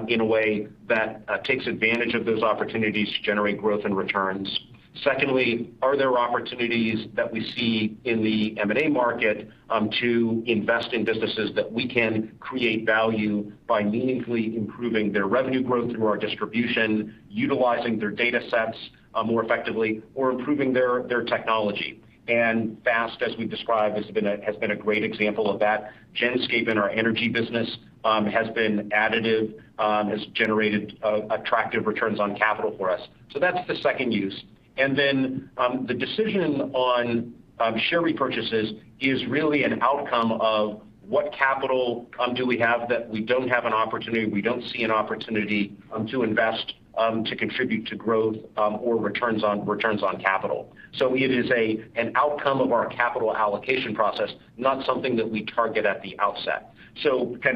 in a way that takes advantage of those opportunities to generate growth and returns? Secondly, are there opportunities that we see in the M&A market to invest in businesses that we can create value by meaningfully improving their revenue growth through our distribution, utilizing their data sets more effectively, or improving their technology? FAST, as we've described, has been a great example of that. Genscape in our energy business has been additive, has generated attractive returns on capital for us. That's the second use. The decision on share repurchases is really an outcome of what capital do we have that we don't have an opportunity, we don't see an opportunity to invest to contribute to growth or returns on capital. It is an outcome of our capital allocation process, not something that we target at the outset.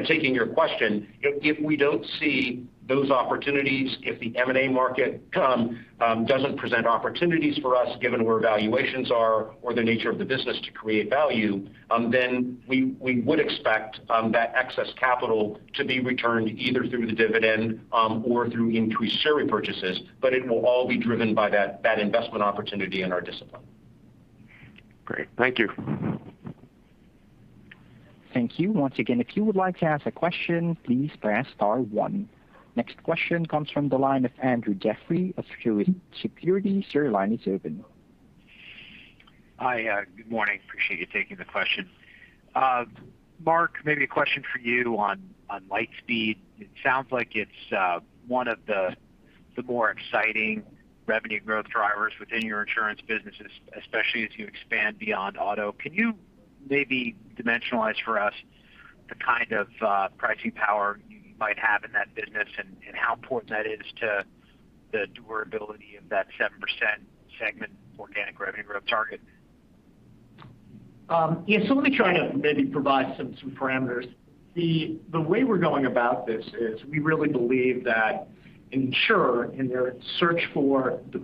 Taking your question, if we don't see those opportunities, if the M&A market doesn't present opportunities for us, given where valuations are or the nature of the business to create value, we would expect that excess capital to be returned either through the dividend or through increased share repurchases, it will all be driven by that investment opportunity and our discipline. Great. Thank you. Thank you. Once again, if you would like to ask a question, please press star one. Next question comes from the line of Andrew Jeffrey of Truist Securities. Sir, your line is open. Hi. Good morning. Appreciate you taking the question. Mark, maybe a question for you on LightSpeed. It sounds like it's one of the more exciting revenue growth drivers within your insurance businesses, especially as you expand beyond auto. Can you maybe dimensionalize for us the kind of pricing power you might have in that business and how important that is to the durability of that 7% segment organic revenue growth target? Yeah. Let me try to maybe provide some parameters. The way we're going about this is we really believe that insurer in their search for the.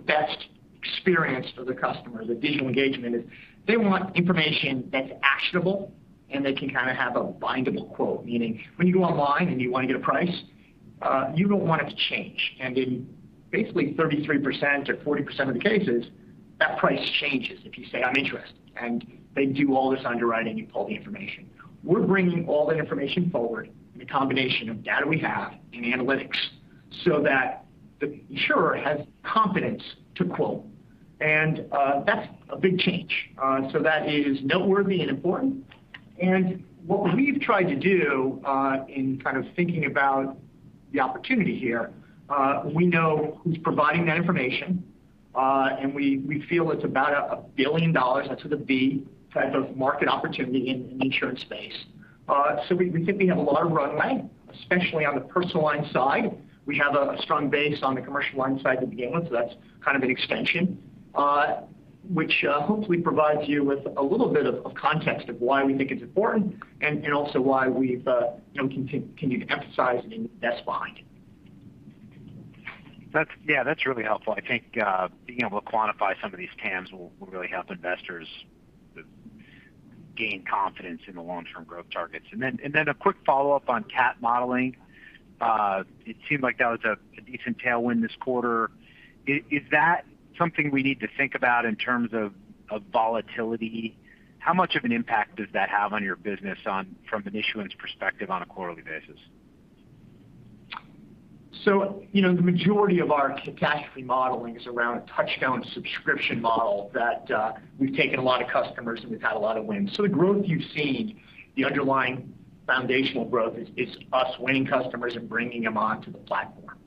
Experience for the customer, the digital engagement is they want information that's actionable, and they can have a bindable quote, meaning when you go online and you want to get a price, you don't want it to change. In basically 33% or 40% of the cases, that price changes if you say, "I'm interested," and they do all this underwriting and pull the information. We're bringing all that information forward in the combination of data we have and analytics so that the insurer has confidence to quote. That's a big change. That is noteworthy and important. What we've tried to do in thinking about the opportunity here, we know who's providing that information, and we feel it's about $1 billion, that's with a B, type of market opportunity in the insurance space. We think we have a lot of runway, especially on the personal line side. We have a strong base on the commercial line side to begin with, so that's kind of an extension, which hopefully provides you with a little bit of context of why we think it's important and also why we've continued to emphasize the investment behind it. Yeah, that's really helpful. I think being able to quantify some of these TAMs will really help investors gain confidence in the long-term growth targets. A quick follow-up on cat modeling. It seemed like that was a decent tailwind this quarter. Is that something we need to think about in terms of volatility? How much of an impact does that have on your business from an issuance perspective on a quarterly basis? The majority of our catastrophe modeling is around a Touchstone subscription model that we've taken a lot of customers, and we've had a lot of wins. The growth you've seen, the underlying foundational growth, is us winning customers and bringing them onto the platform.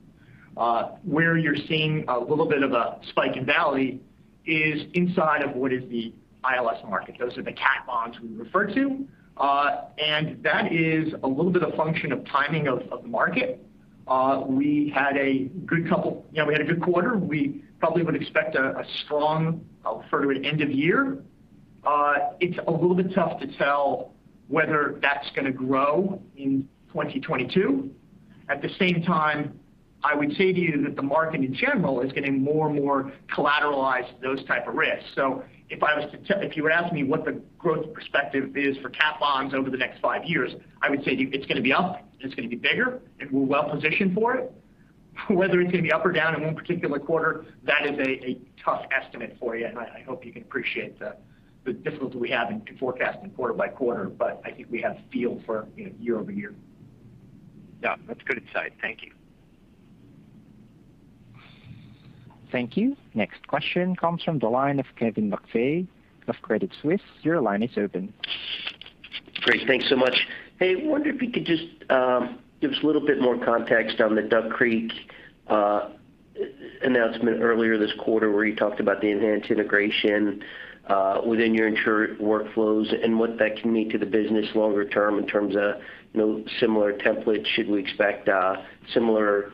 Where you're seeing a little bit of a spike and valley is inside of what is the ILS market. Those are the cat bonds we refer to. That is a little bit a function of timing of the market. We had a good quarter. We probably would expect a strong end of year. It's a little bit tough to tell whether that's going to grow in 2022. At the same time, I would say to you that the market, in general, is getting more and more collateralized those type of risks. If you were to ask me what the growth perspective is for cat bonds over the next five years, I would say to you it's going to be up, and it's going to be bigger, and we're well-positioned for it. Whether it's going to be up or down in one particular quarter, that is a tough estimate for you, and I hope you can appreciate the difficulty we have in forecasting quarter by quarter, but I think we have feel for year-over-year. Yeah, that's good insight. Thank you. Thank you. Next question comes from the line of Kevin McVeigh of Credit Suisse. Your line is open. Great. Thanks so much. Hey, wondered if you could just give us a little bit more context on the Duck Creek announcement earlier this quarter where you talked about the enhanced integration within your insurer workflows and what that can mean to the business longer term in terms of similar templates. Should we expect similar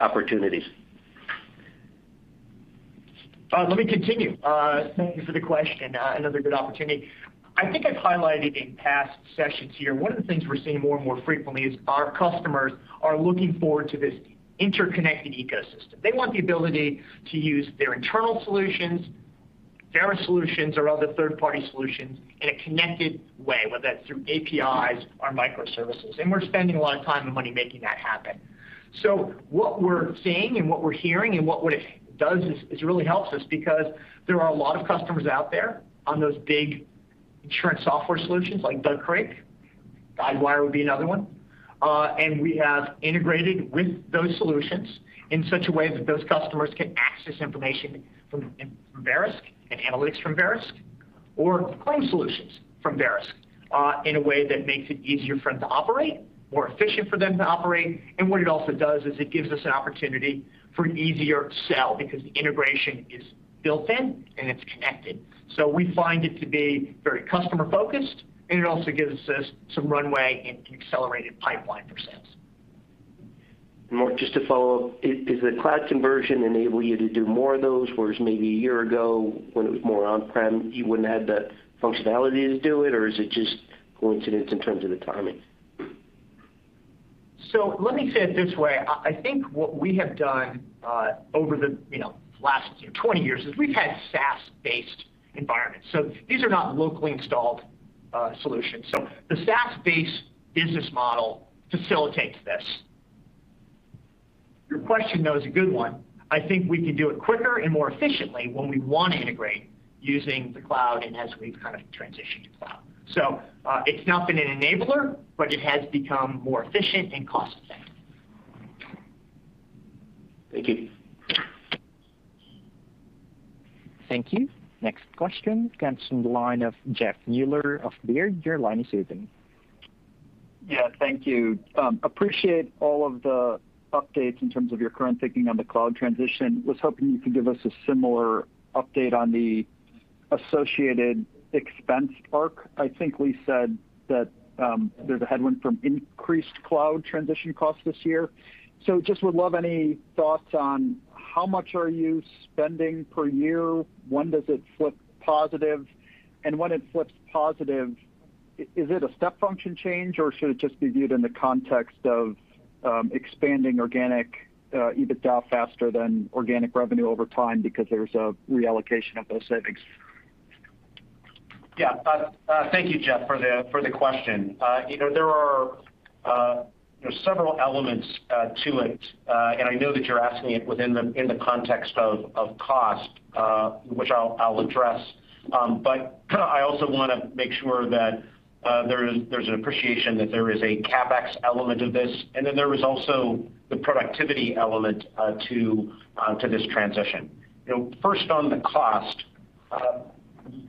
opportunities? Let me continue. Thank you for the question. Another good opportunity. I think I've highlighted in past sessions here, one of the things we're seeing more and more frequently is our customers are looking forward to this interconnected ecosystem. They want the ability to use their internal solutions, Verisk solutions, or other third-party solutions in a connected way, whether that's through APIs or microservices. We're spending a lot of time and money making that happen. What we're seeing and what we're hearing, and what it does is really helps us because there are a lot of customers out there on those big insurance software solutions like Duck Creek. Guidewire would be another one. We have integrated with those solutions in such a way that those customers can access information from Verisk and analytics from Verisk or claim solutions from Verisk in a way that makes it easier for them to operate, more efficient for them to operate. What it also does is it gives us an opportunity for easier sell because the integration is built-in and it's connected. We find it to be very customer-focused, and it also gives us some runway and accelerated pipeline for sales. Mark, just to follow up, is the cloud conversion enabling you to do more of those, whereas maybe a year ago when it was more on-prem, you wouldn't have the functionality to do it, or is it just coincidence in terms of the timing? Let me say it this way. I think what we have done over the last 20 years is we've had SaaS-based environments. These are not locally installed solutions. The SaaS-based business model facilitates this. Your question, though, is a good one. I think we can do it quicker and more efficiently when we want to integrate using the cloud and as we've kind of transitioned to cloud. It's not been an enabler, but it has become more efficient and cost-effective. Thank you. Thank you. Next question comes from the line of Jeff Meuler of Baird. Your line is open. Yeah, thank you. Appreciate all of the updates in terms of your current thinking on the cloud transition. Was hoping you could give us a similar update on the associated expense arc. I think Lee said that there's a headwind from increased cloud transition costs this year. Just would love any thoughts on how much are you spending per year, when does it flip positive, and when it flips positive, is it a step function change, or should it just be viewed in the context of expanding organic EBITDA faster than organic revenue over time because there's a reallocation of those savings? Yeah. Thank you, Jeff, for the question. There are several elements to it, and I know that you're asking it within the context of cost, which I'll address. I also want to make sure that there's an appreciation that there is a CapEx element of this, and then there is also the productivity element to this transition. First, on the cost,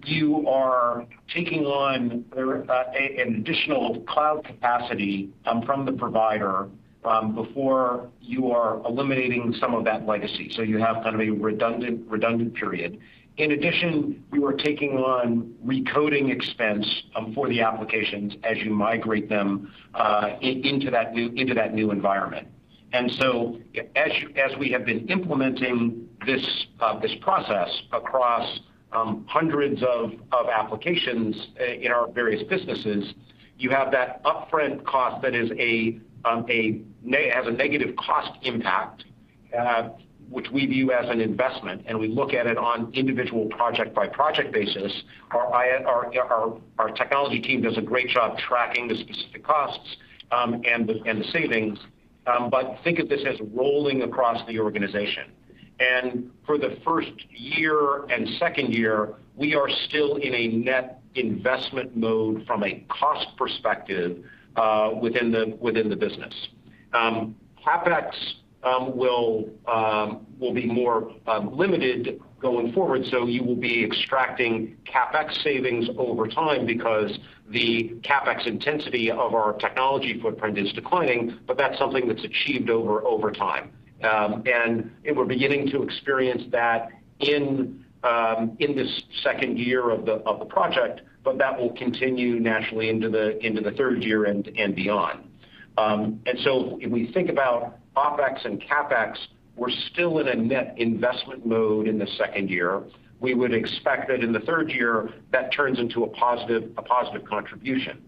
you are taking on an additional cloud capacity from the provider before you are eliminating some of that legacy, so you have kind of a redundant period. In addition, you are taking on recoding expense for the applications as you migrate them into that new environment. As we have been implementing this process across hundreds of applications in our various businesses, you have that upfront cost that has a negative cost impact, which we view as an investment, and we look at it on individual project-by-project basis. Our technology team does a great job tracking the specific costs and the savings, but think of this as rolling across the organization. For the first year and second year, we are still in a net investment mode from a cost perspective within the business. CapEx will be more limited going forward, so you will be extracting CapEx savings over time because the CapEx intensity of our technology footprint is declining, but that's something that's achieved over time. We're beginning to experience that in this second year of the project, but that will continue naturally into the third year and beyond. If we think about OpEx and CapEx, we're still in a net investment mode in the second year. We would expect that in the third year, that turns into a positive contribution.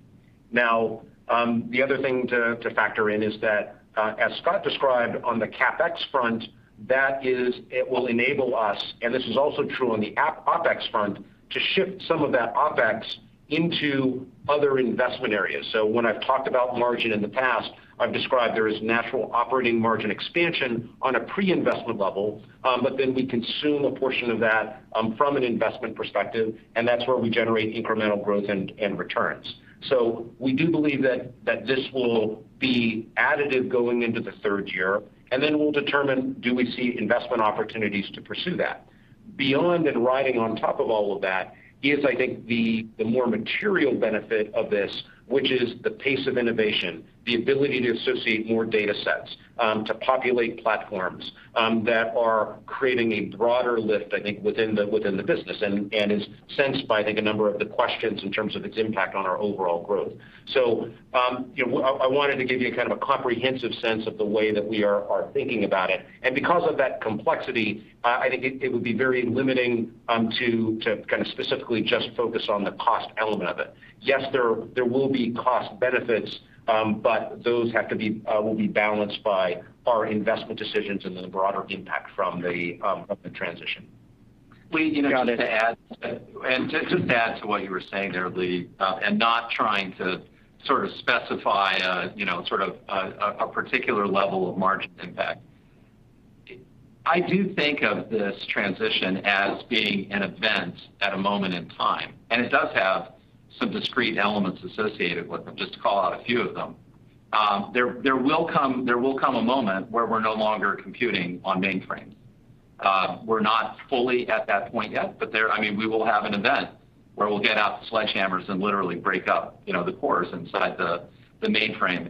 The other thing to factor in is that, as Scott described on the CapEx front, it will enable us, and this is also true on the OpEx front, to shift some of that OpEx into other investment areas. When I've talked about margin in the past, I've described there is natural operating margin expansion on a pre-investment level, but then we consume a portion of that from an investment perspective, and that's where we generate incremental growth and returns. We do believe that this will be additive going into the third year, and then we'll determine, do we see investment opportunities to pursue that? Beyond and riding on top of all of that is, I think, the more material benefit of this, which is the pace of innovation, the ability to associate more data sets, to populate platforms that are creating a broader lift, I think, within the business. Is sensed by, I think, a number of the questions in terms of its impact on our overall growth. I wanted to give you a comprehensive sense of the way that we are thinking about it. Because of that complexity, I think it would be very limiting to specifically just focus on the cost element of it. Yes, there will be cost benefits, but those will be balanced by our investment decisions and then the broader impact from the transition. Lee, just to add to what you were saying there, Lee, and not trying to sort of specify a particular level of margin impact. I do think of this transition as being an event at a moment in time, and it does have some discrete elements associated with them. Just to call out a few of them. There will come a moment where we're no longer computing on mainframes. We're not fully at that point yet, but we will have an event where we'll get out the sledgehammers and literally break up the cores inside the mainframe.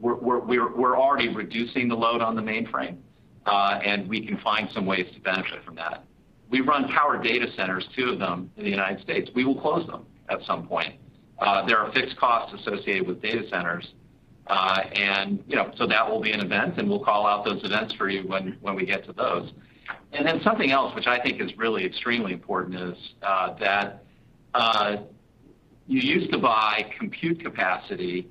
We're already reducing the load on the mainframe, and we can find some ways to benefit from that. We run powered data centers, two of them in the U.S. We will close them at some point. There are fixed costs associated with data centers, that will be an event, and we'll call out those events for you when we get to those. Something else which I think is really extremely important is that you used to buy compute capacity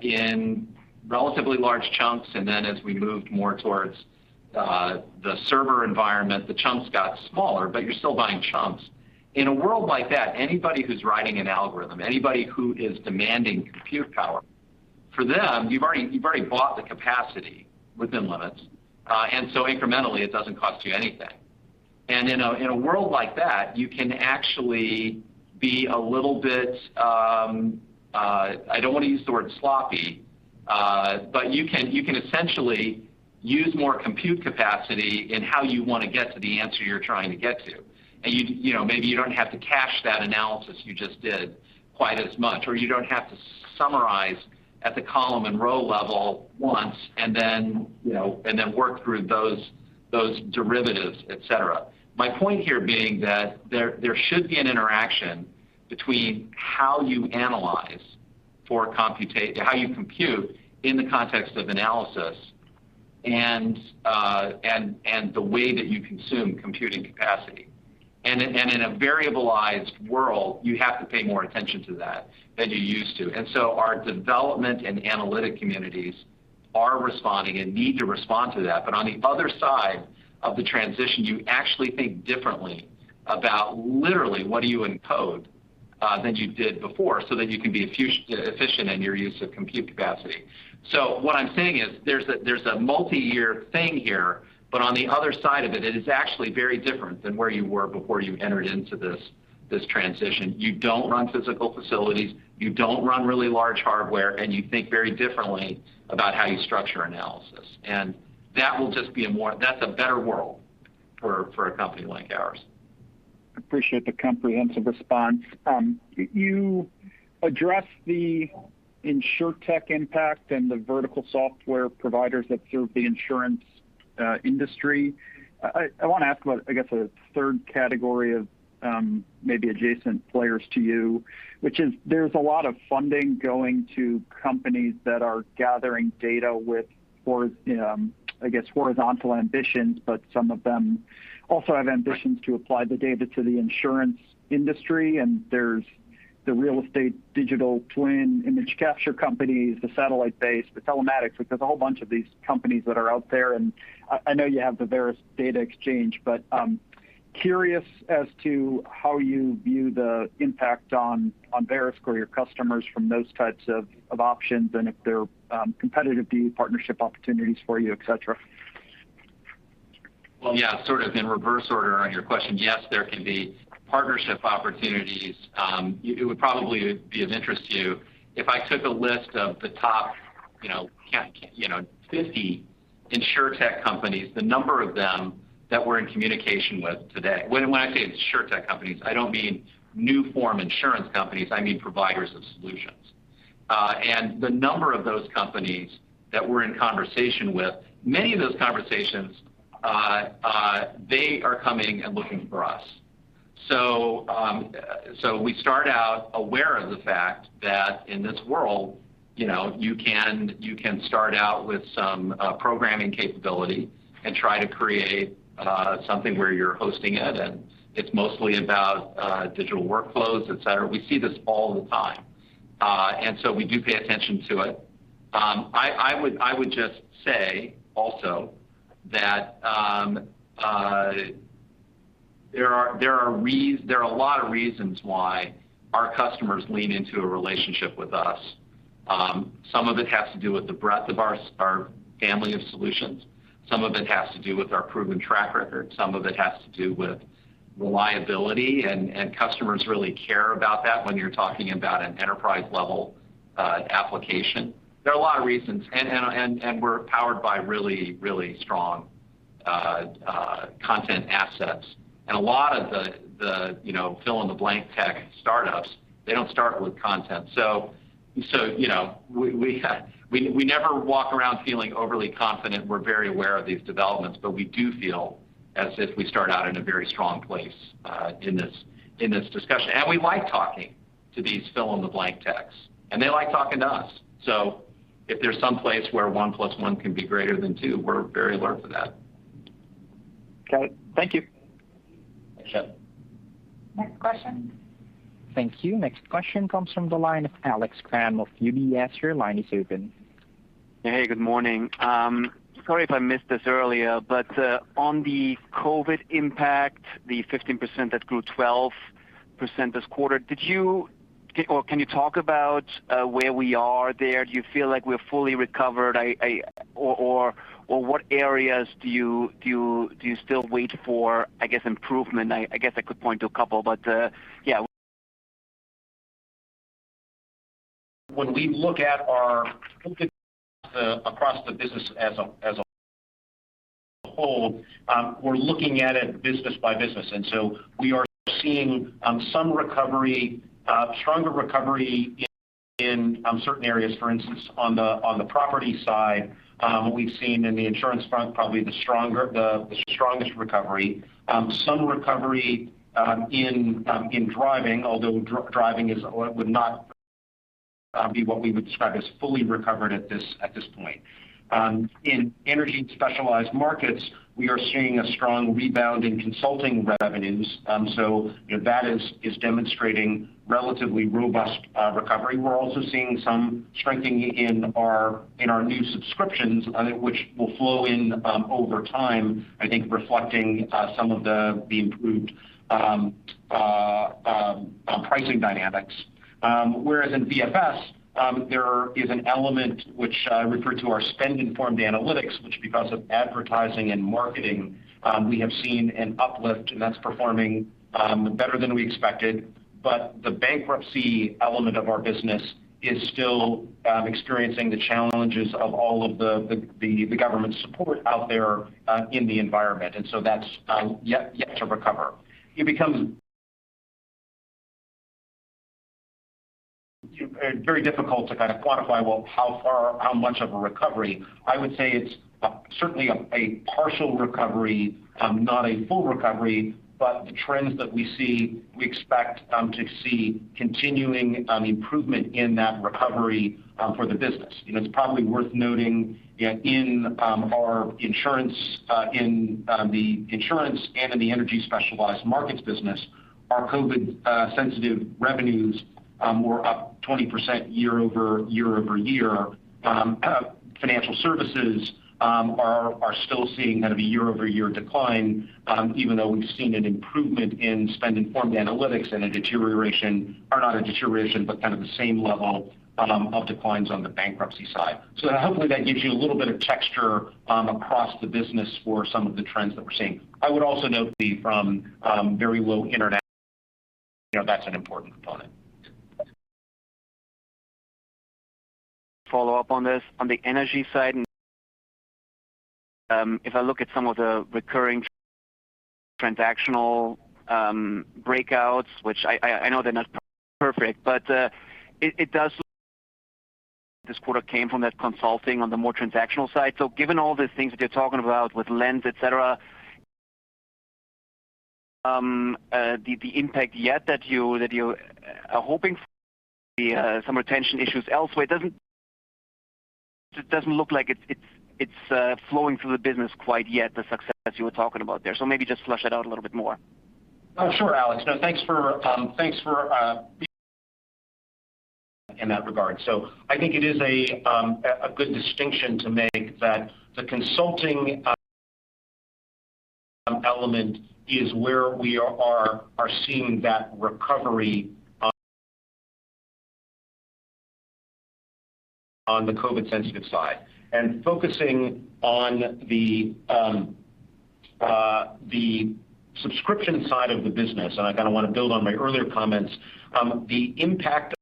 in relatively large chunks, as we moved more towards the server environment, the chunks got smaller, but you're still buying chunks. In a world like that, anybody who's writing an algorithm, anybody who is demanding compute power, for them, you've already bought the capacity within limits. Incrementally, it doesn't cost you anything. In a world like that, you can actually be a little bit, I don't want to use the word sloppy, but you can essentially use more compute capacity in how you want to get to the answer you're trying to get to. Maybe you don't have to cache that analysis you just did quite as much, or you don't have to summarize at the column and row level once, and then work through those derivatives, et cetera. My point here being that there should be an interaction between how you analyze for computate in the context of analysis and the way that you consume computing capacity. In a variabilized world, you have to pay more attention to that than you used to. Our development and analytic communities are responding and need to respond to that. On the other side of the transition, you actually think differently about literally what do you encode than you did before, so that you can be efficient in your use of compute capacity. What I'm saying is, there's a multi-year thing here, but on the other side of it is actually very different than where you were before you entered into this transition. You don't run physical facilities, you don't run really large hardware, and you think very differently about how you structure analysis. That's a better world for a company like ours. Appreciate the comprehensive response. You addressed the insurtech impact and the vertical software providers that serve the insurance industry. I want to ask about, I guess, a third category of maybe adjacent players to you, which is there's a lot of funding going to companies that are gathering data with, I guess, horizontal ambitions, but some of them also have ambitions to apply the data to the insurance industry. There's the real estate digital twin image capture companies, the satellite-based, the telematics. There's a whole bunch of these companies that are out there, and I know you have the Verisk Data Exchange, but curious as to how you view the impact on Verisk or your customers from those types of options and if they're competitive to you, partnership opportunities for you, et cetera. Well, yeah, sort of in reverse order on your question. Yes, there can be partnership opportunities. It would probably be of interest to you if I took a list of the top 50 Insurtech companies, the number of them that we're in communication with today. When I say Insurtech companies, I don't mean new form insurance companies, I mean providers of solutions. The number of those companies that we're in conversation with, many of those conversations, they are coming and looking for us. We start out aware of the fact that in this world, you can start out with some programming capability and try to create something where you're hosting it, and it's mostly about digital workflows, et cetera. We see this all the time. We do pay attention to it. I would just say also that there are a lot of reasons why our customers lean into a relationship with us. Some of it has to do with the breadth of our family of solutions. Some of it has to do with our proven track record. Some of it has to do with reliability, and customers really care about that when you're talking about an enterprise level application. There are a lot of reasons, and we're powered by really, really strong content assets. A lot of the fill-in-the-blank tech startups, they don't start with content. We never walk around feeling overly confident. We're very aware of these developments, but we do feel as if we start out in a very strong place in this discussion. We like talking to these fill-in-the-blank techs, and they like talking to us. If there's some place where 1 + 1 can be greater than two, we're very alert for that. Okay. Thank you. Thanks, Jeff. Next question. Thank you. Next question comes from the line of Alex Kramm of UBS. Your line is open. Hey, good morning. Sorry if I missed this earlier, on the COVID impact, the 15% that grew 12% this quarter, can you talk about where we are there? Do you feel like we're fully recovered? What areas do you still wait for, I guess, improvement? I guess I could point to a couple. When we look at across the business as a whole, we're looking at it business by business. We are seeing some recovery, stronger recovery in certain areas. For instance, on the property side, we've seen in the insurance front probably the strongest recovery. Some recovery in driving, although driving would not be what we would describe as fully recovered at this point. In energy specialized markets, we are seeing a strong rebound in consulting revenues. That is demonstrating relatively robust recovery. We're also seeing some strengthening in our new subscriptions, which will flow in over time, I think reflecting some of the improved pricing dynamics. Whereas in VFS, there is an element which I refer to our Spend-Informed Analytics, which because of advertising and marketing, we have seen an uplift and that's performing better than we expected. The bankruptcy element of our business is still experiencing the challenges of all of the government support out there in the environment. That's yet to recover. It becomes- Very difficult to kind of quantify, well, how far or how much of a recovery. I would say it's certainly a partial recovery, not a full recovery. The trends that we see, we expect to see continuing improvement in that recovery for the business. It's probably worth noting in the insurance and in the energy specialized markets business, our COVID sensitive revenues were up 20% year-over-year. Financial services are still seeing kind of a year-over-year decline, even though we've seen an improvement in Spend-Informed Analytics and a deterioration, or not a deterioration, but kind of the same level of declines on the bankruptcy side. Hopefully that gives you a little bit of texture across the business for some of the trends that we're seeing. I would also note the very low international-- that's an important component. Follow up on this. On the energy side, if I look at some of the recurring transactional breakouts, which I know they're not perfect, but this quarter came from that consulting on the more transactional side. Given all the things that you're talking about with Lens, et cetera, the impact yet that you are hoping for some retention issues elsewhere, it doesn't look like it's flowing through the business quite yet, the success you were talking about there. Maybe just flush that out a little bit more. Sure, Alex Kramm. Thanks for being in that regard. I think it is a good distinction to make that the consulting element is where we are seeing that recovery on the COVID sensitive side. Focusing on the subscription side of the business, I kind of want to build on my earlier comments. The impact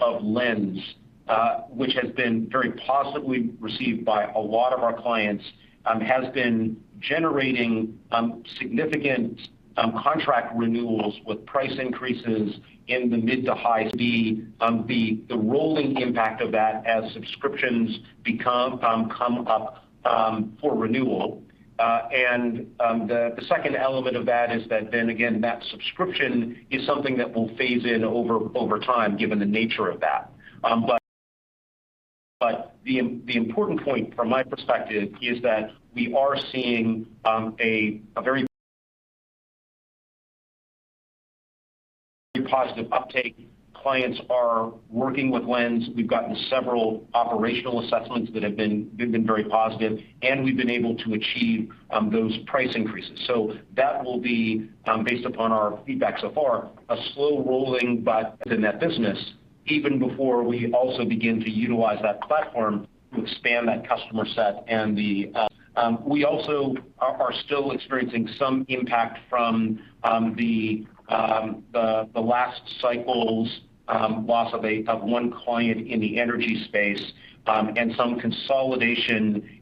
of Lens which has been very positively received by a lot of our clients, has been generating significant contract renewals with price increases in the mid to high. The rolling impact of that as subscriptions come up for renewal. The second element of that is that again, that subscription is something that will phase in over time, given the nature of that. The important point from my perspective is that we are seeing a very positive uptake. Clients are working with Lens. We've gotten several operational assessments that have been very positive, and we've been able to achieve those price increases. That will be based upon our feedback so far, a slow rolling but within that business, even before we also begin to utilize that platform to expand that customer set. We also are still experiencing some impact from the last cycle's loss of one client in the energy space, and some consolidation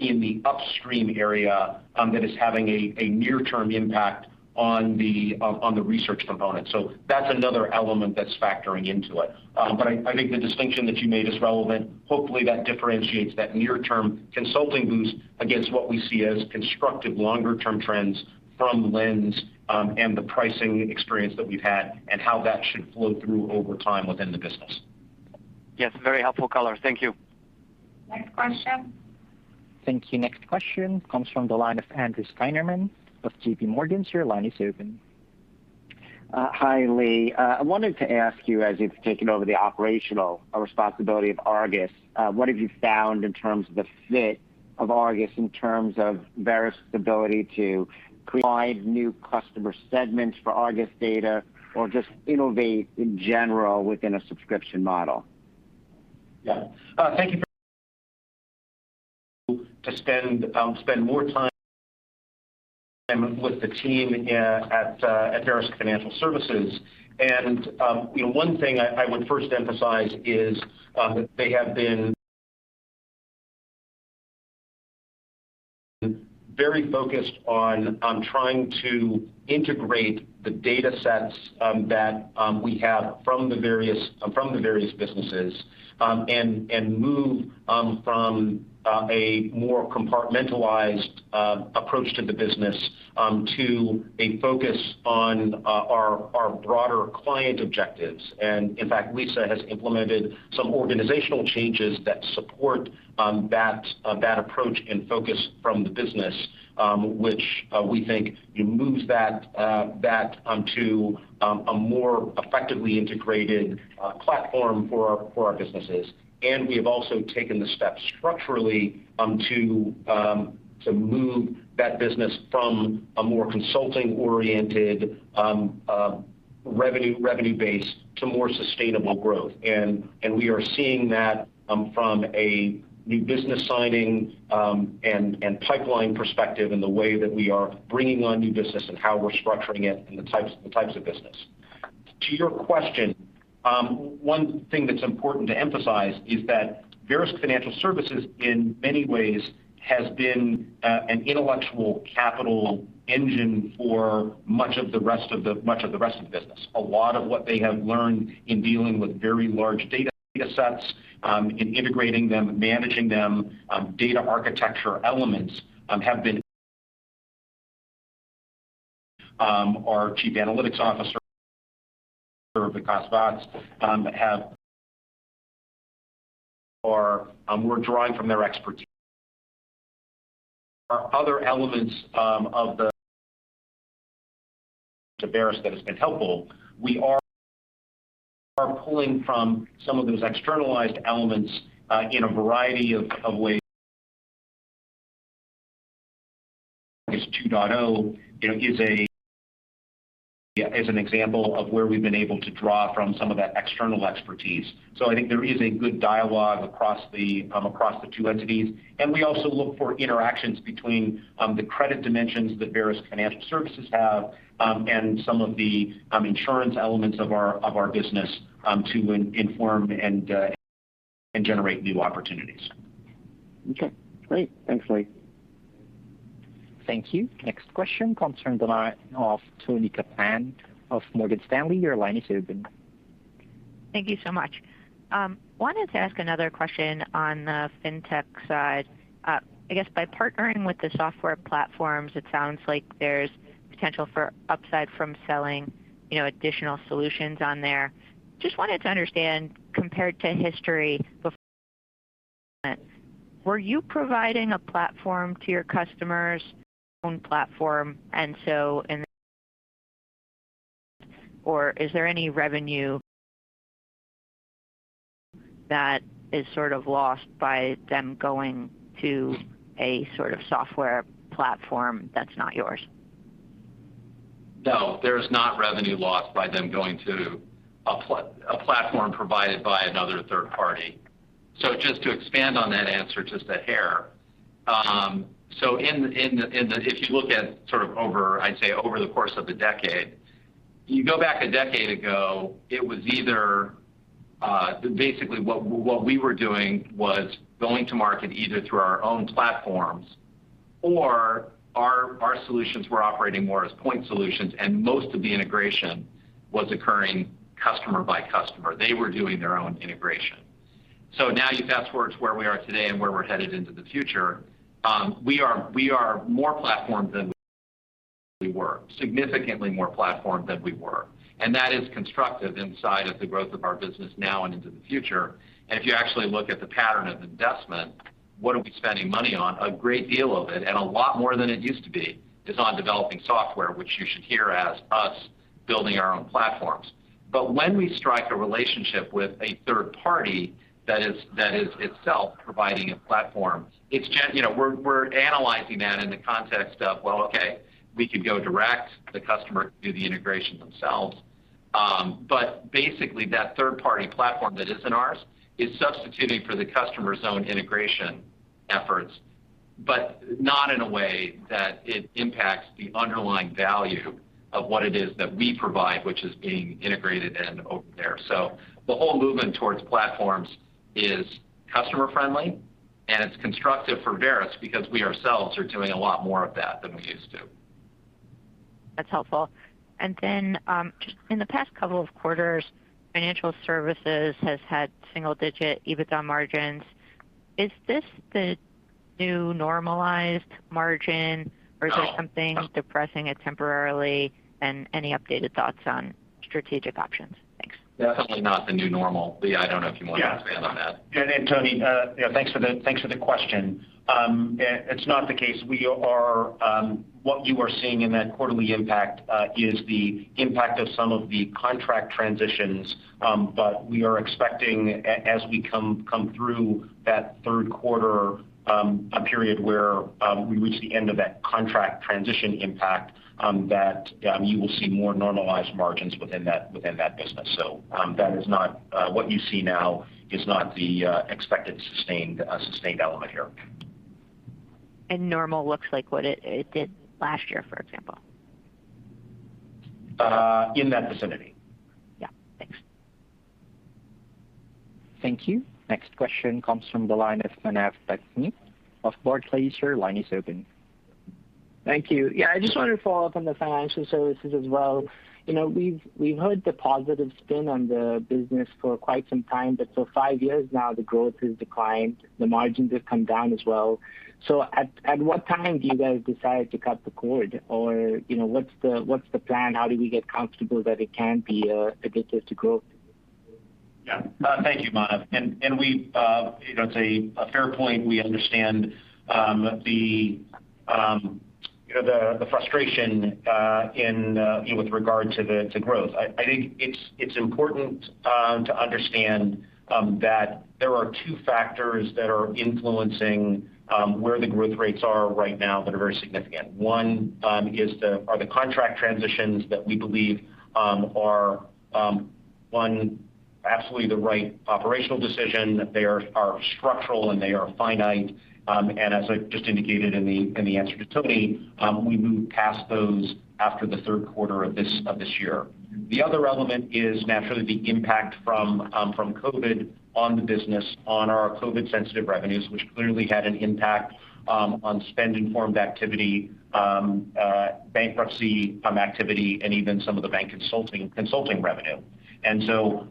in the upstream area that is having a near-term impact on the research component. That's another element that's factoring into it. I think the distinction that you made is relevant. Hopefully, that differentiates that near-term consulting boost against what we see as constructive longer-term trends from Lens, and the pricing experience that we've had and how that should flow through over time within the business. Yes, very helpful color. Thank you. Next question. Thank you. Next question comes from the line of Andrew Steinerman of JPMorgan. Sir, your line is open. Hi, Lee. I wanted to ask you, as you've taken over the operational responsibility of Argus, what have you found in terms of the fit of Argus, in terms of Verisk's ability to provide new customer segments for Argus data or just innovate in general within a subscription model? Yeah. Thank you to spend more time with the team at Verisk Financial Services. One thing I would first emphasize is that they have been very focused on trying to integrate the datasets that we have from the various businesses, and move from a more compartmentalized approach to the business, to a focus on our broader client objectives. In fact, Lisa has implemented some organizational changes that support that approach and focus from the business, which we think moves that onto a more effectively integrated platform for our businesses. We have also taken the steps structurally to move that business from a more consulting-oriented revenue base to more sustainable growth. We are seeing that from a new business signing and pipeline perspective in the way that we are bringing on new business and how we're structuring it and the types of business. One thing that's important to emphasize is that Verisk Financial Services, in many ways, has been an intellectual capital engine for much of the rest of the business. A lot of what they have learned in dealing with very large data sets, in integrating them, managing them, data architecture elements have been our Chief Analytics Officer, Vikas Bhat, we're drawing from their expertise. Other elements of Verisk that has been helpful, we are pulling from some of those externalized elements in a variety of ways. ISO 2.0 is an example of where we've been able to draw from some of that external expertise. I think there is a good dialogue across the two entities, and we also look for interactions between the credit dimensions that Verisk Financial Services have and some of the insurance elements of our business to inform and generate new opportunities. Okay, great. Thanks, Mike. Thank you. Next question comes from the line of Toni Kaplan of Morgan Stanley. Your line is open. Thank you so much. Wanted to ask another question on the fintech side. I guess by partnering with the software platforms, it sounds like there's potential for upside from selling additional solutions on there. Just wanted to understand, compared to history before, were you providing a platform to your customers own platform and so in or is there any revenue that is sort of lost by them going to a sort of software platform that's not yours? No, there's not revenue lost by them going to a platform provided by another third party. Just to expand on that answer just a hair. If you look at over, I'd say over the course of the decade, you go back a decade ago, it was either basically what we were doing was going to market either through our own platforms or our solutions were operating more as point solutions, and most of the integration was occurring customer by customer. They were doing their own integration. Now you fast-forward to where we are today and where we're headed into the future. We are more platform than we were, significantly more platform than we were, and that is constructive inside of the growth of our business now and into the future. If you actually look at the pattern of investment, what are we spending money on? A great deal of it, and a lot more than it used to be, is on developing software, which you should hear as us building our own platforms. When we strike a relationship with a third party that is itself providing a platform, we're analyzing that in the context of, well, okay, we could go direct the customer to do the integration themselves. Basically that third-party platform that isn't ours is substituting for the customer's own integration efforts, but not in a way that it impacts the underlying value of what it is that we provide, which is being integrated in over there. The whole movement towards platforms is customer friendly, and it's constructive for Verisk because we ourselves are doing a lot more of that than we used to. That's helpful. Just in the past couple of quarters, financial services has had single-digit EBITDA margins. Is this the new normalized margin or is there something depressing it temporarily? Any updated thoughts on strategic options? Thanks. Definitely not the new normal. Lee, I don't know if you want to expand on that. Yeah. Toni, thanks for the question. It's not the case. What you are seeing in that quarterly impact is the impact of some of the contract transitions. We are expecting as we come through that third quarter, a period where we reach the end of that contract transition impact, that you will see more normalized margins within that business. What you see now is not the expected sustained element here. Normal looks like what it did last year, for example? In that vicinity. Yeah. Thanks. Thank you. Next question comes from the line of Manav Patnaik of Barclays. Your line is open. Thank you. Yeah, I just wanted to follow up on the financial services as well. We've heard the positive spin on the business for quite some time, but for five years now, the growth has declined. The margins have come down as well. At what time do you guys decide to cut the cord? What's the plan? How do we get comfortable that it can be a catalyst to growth? Thank you, Manav. It's a fair point. We understand the frustration with regard to growth. I think it's important to understand that there are two factors that are influencing where the growth rates are right now that are very significant. One are the contract transitions that we believe are absolutely the right operational decision. They are structural, and they are finite. As I just indicated in the answer to Toni Kaplan, we moved past those after the third quarter of this year. The other element is naturally the impact from COVID on the business, on our COVID-sensitive revenues, which clearly had an impact on spend-informed activity, bankruptcy activity, and even some of the bank consulting revenue.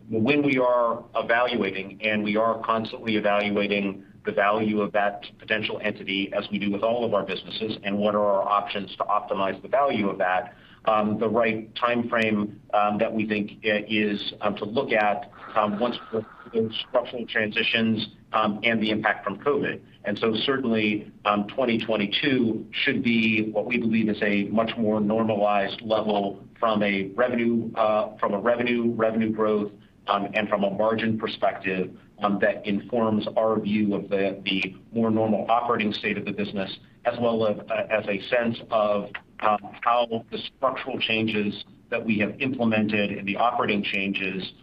When we are evaluating, and we are constantly evaluating the value of that potential entity as we do with all of our businesses, and what are our options to optimize the value of that, the right timeframe that we think is to look at once we're through those structural transitions, and the impact from COVID. Certainly, 2022 should be what we believe is a much more normalized level from a revenue growth, and from a margin perspective that informs our view of the more normal operating state of the business, as well as a sense of how the structural changes that we have implemented, and the operating changes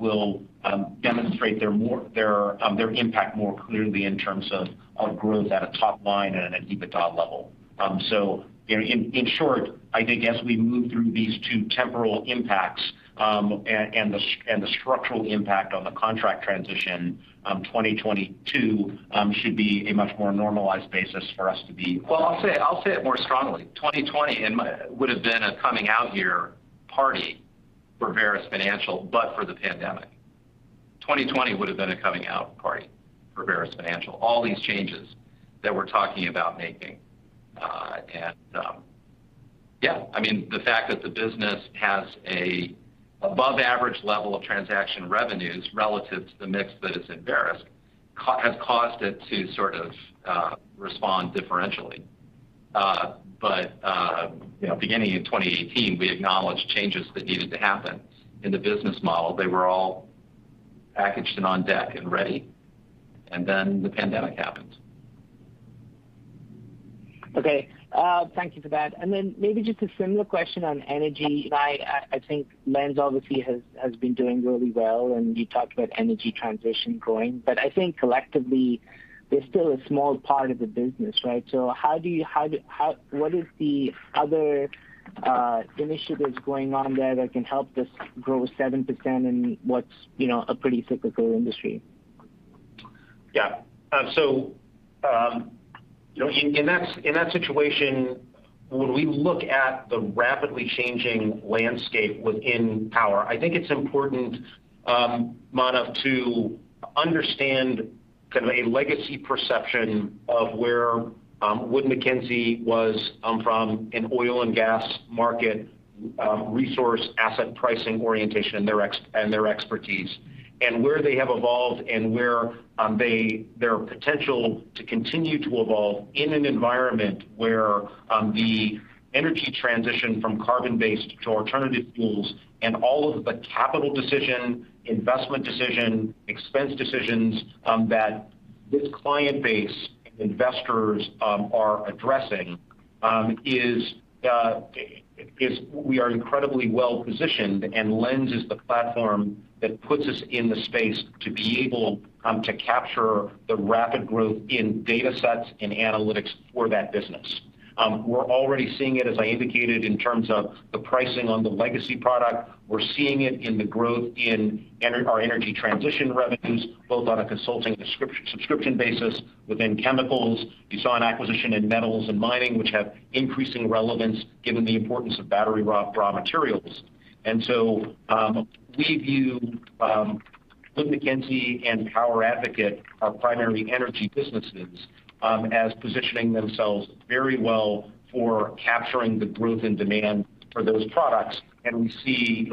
will demonstrate their impact more clearly in terms of growth at a top line and an EBITDA level. In short, I think as we move through these two temporal impacts, and the structural impact on the contract transition, 2022 should be a much more normalized basis for us. Well, I'll say it more strongly. 2020 would've been a coming out year party for Verisk Financial, but for the pandemic. 2020 would've been a coming out party for Verisk Financial. All these changes that we're talking about making. Yeah, the fact that the business has an above-average level of transaction revenues relative to the mix that is in Verisk has caused it to sort of respond differentially. Beginning in 2018, we acknowledged changes that needed to happen in the business model. They were all packaged and on deck and ready, and then the pandemic happened. Okay. Thank you for that. Maybe just a similar question on energy. I think Lens obviously has been doing really well, and you talked about energy transition growing. I think collectively, they're still a small part of the business, right? What is the other initiatives going on there that can help this grow 7% in what's a pretty cyclical industry? In that situation, when we look at the rapidly changing landscape within power, I think it's important, Manav, to understand kind of a legacy perception of where Wood Mackenzie was from an oil and gas market, resource asset pricing orientation, and their expertise. Where they have evolved and where their potential to continue to evolve in an environment where the energy transition from carbon-based to alternative fuels, and all of the capital decision, investment decision, expense decisions that this client base and investors are addressing is we are incredibly well-positioned, and Lens is the platform that puts us in the space to be able to capture the rapid growth in data sets and analytics for that business. We're already seeing it, as I indicated, in terms of the pricing on the legacy product. We're seeing it in the growth in our energy transition revenues, both on a consulting subscription basis within chemicals. You saw an acquisition in metals and mining, which have increasing relevance given the importance of battery raw materials. We view Wood Mackenzie and PowerAdvocate, our primary energy businesses, as positioning themselves very well for capturing the growth and demand for those products. We see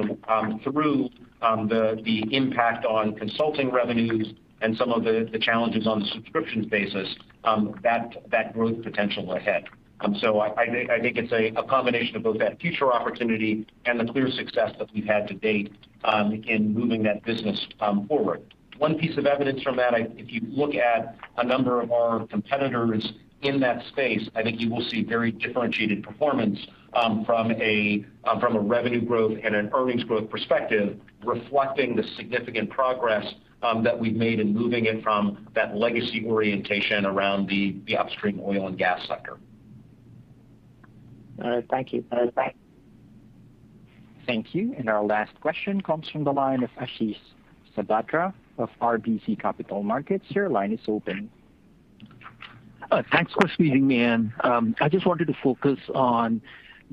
through the impact on consulting revenues and some of the challenges on the subscriptions basis, that growth potential ahead. I think it's a combination of both that future opportunity and the clear success that we've had to date in moving that business forward. One piece of evidence from that, if you look at a number of our competitors in that space, I think you will see very differentiated performance from a revenue growth and an earnings growth perspective, reflecting the significant progress that we've made in moving it from that legacy orientation around the upstream oil and gas sector. All right. Thank you. Bye. Thank you. Our last question comes from the line of Ashish Sabadra of RBC Capital Markets. Your line is open. Thanks for squeezing me in. I just wanted to focus on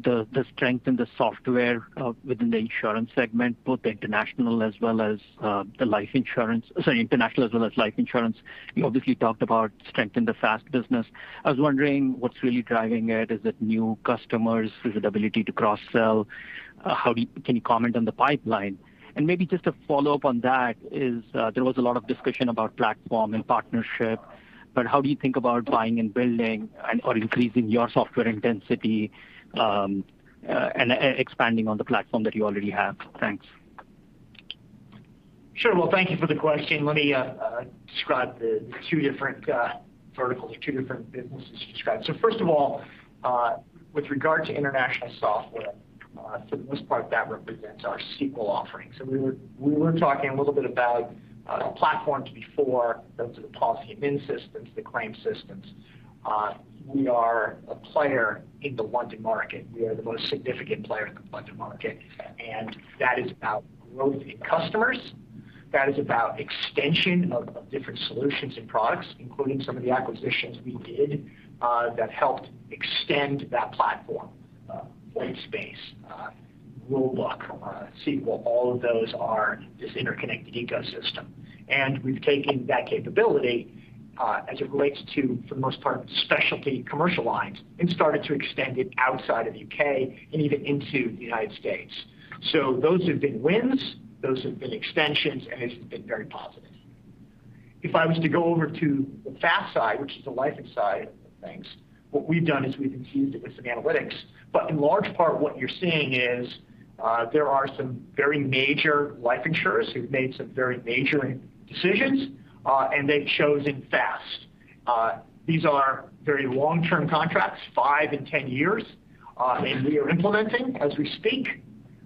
the strength in the software within the insurance segment, both the international as well as life insurance. You obviously talked about strength in the FAST business. I was wondering what's really driving it. Is it new customers? Is it ability to cross-sell? Can you comment on the pipeline? Maybe just a follow-up on that is, there was a lot of discussion about platform and partnership, but how do you think about buying and building or increasing your software intensity, and expanding on the platform that you already have? Thanks. Sure. Well, thank you for the question. Let me describe the two different verticals or two different businesses described. First of all, with regard to international software, for the most part, that represents our Sequel offering. We were talking a little bit about platforms before. Those are the policy admin systems, the claim systems. We are a player in the London market. We are the most significant player in the London market, and that is about growth in customers. That is about extension of different solutions and products, including some of the acquisitions we did that helped extend that platform. Whitespace Platform, Rulebook, Sequel, all of those are this interconnected ecosystem. We've taken that capability, as it relates to, for the most part, specialty commercial lines, and started to extend it outside of the U.K. and even into the United States. Those have been wins, those have been extensions, and it's been very positive. If I was to go over to the FAST side, which is the life side of things, what we've done is we've infused it with some analytics. In large part, what you're seeing is there are some very major life insurers who've made some very major decisions, and they've chosen FAST. These are very long-term contracts, five and 10 years, and we are implementing as we speak.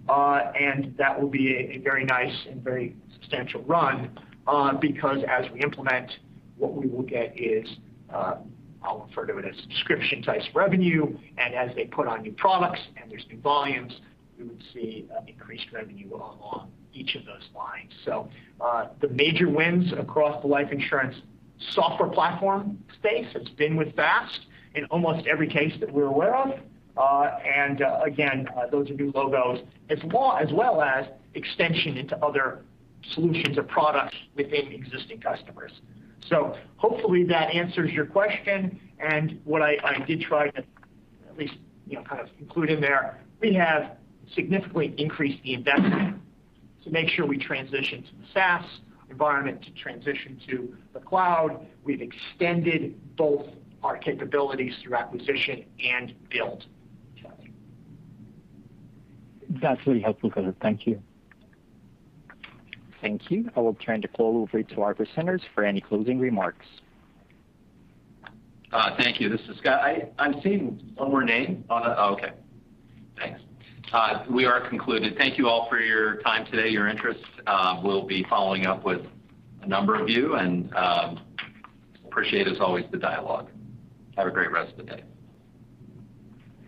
That will be a very nice and very substantial run, because as we implement, what we will get is, I'll refer to it as subscription-type revenue. As they put on new products and there's new volumes, we would see increased revenue along each of those lines. The major wins across the life insurance software platform space has been with FAST in almost every case that we're aware of. Again, those are new logos, as well as extension into other solutions or products within existing customers. Hopefully that answers your question. What I did try to at least kind of include in there, we have significantly increased the investment to make sure we transition to the FAST environment, to transition to the cloud. We've extended both our capabilities through acquisition and build. That's really helpful, color. Thank you. Thank you. I will turn the call over to our presenters for any closing remarks. Thank you. This is Scott. I'm seeing one more name on the. Okay. Thanks. We are concluded. Thank you all for your time today, your interest. We'll be following up with a number of you and appreciate, as always, the dialogue. Have a great rest of the day.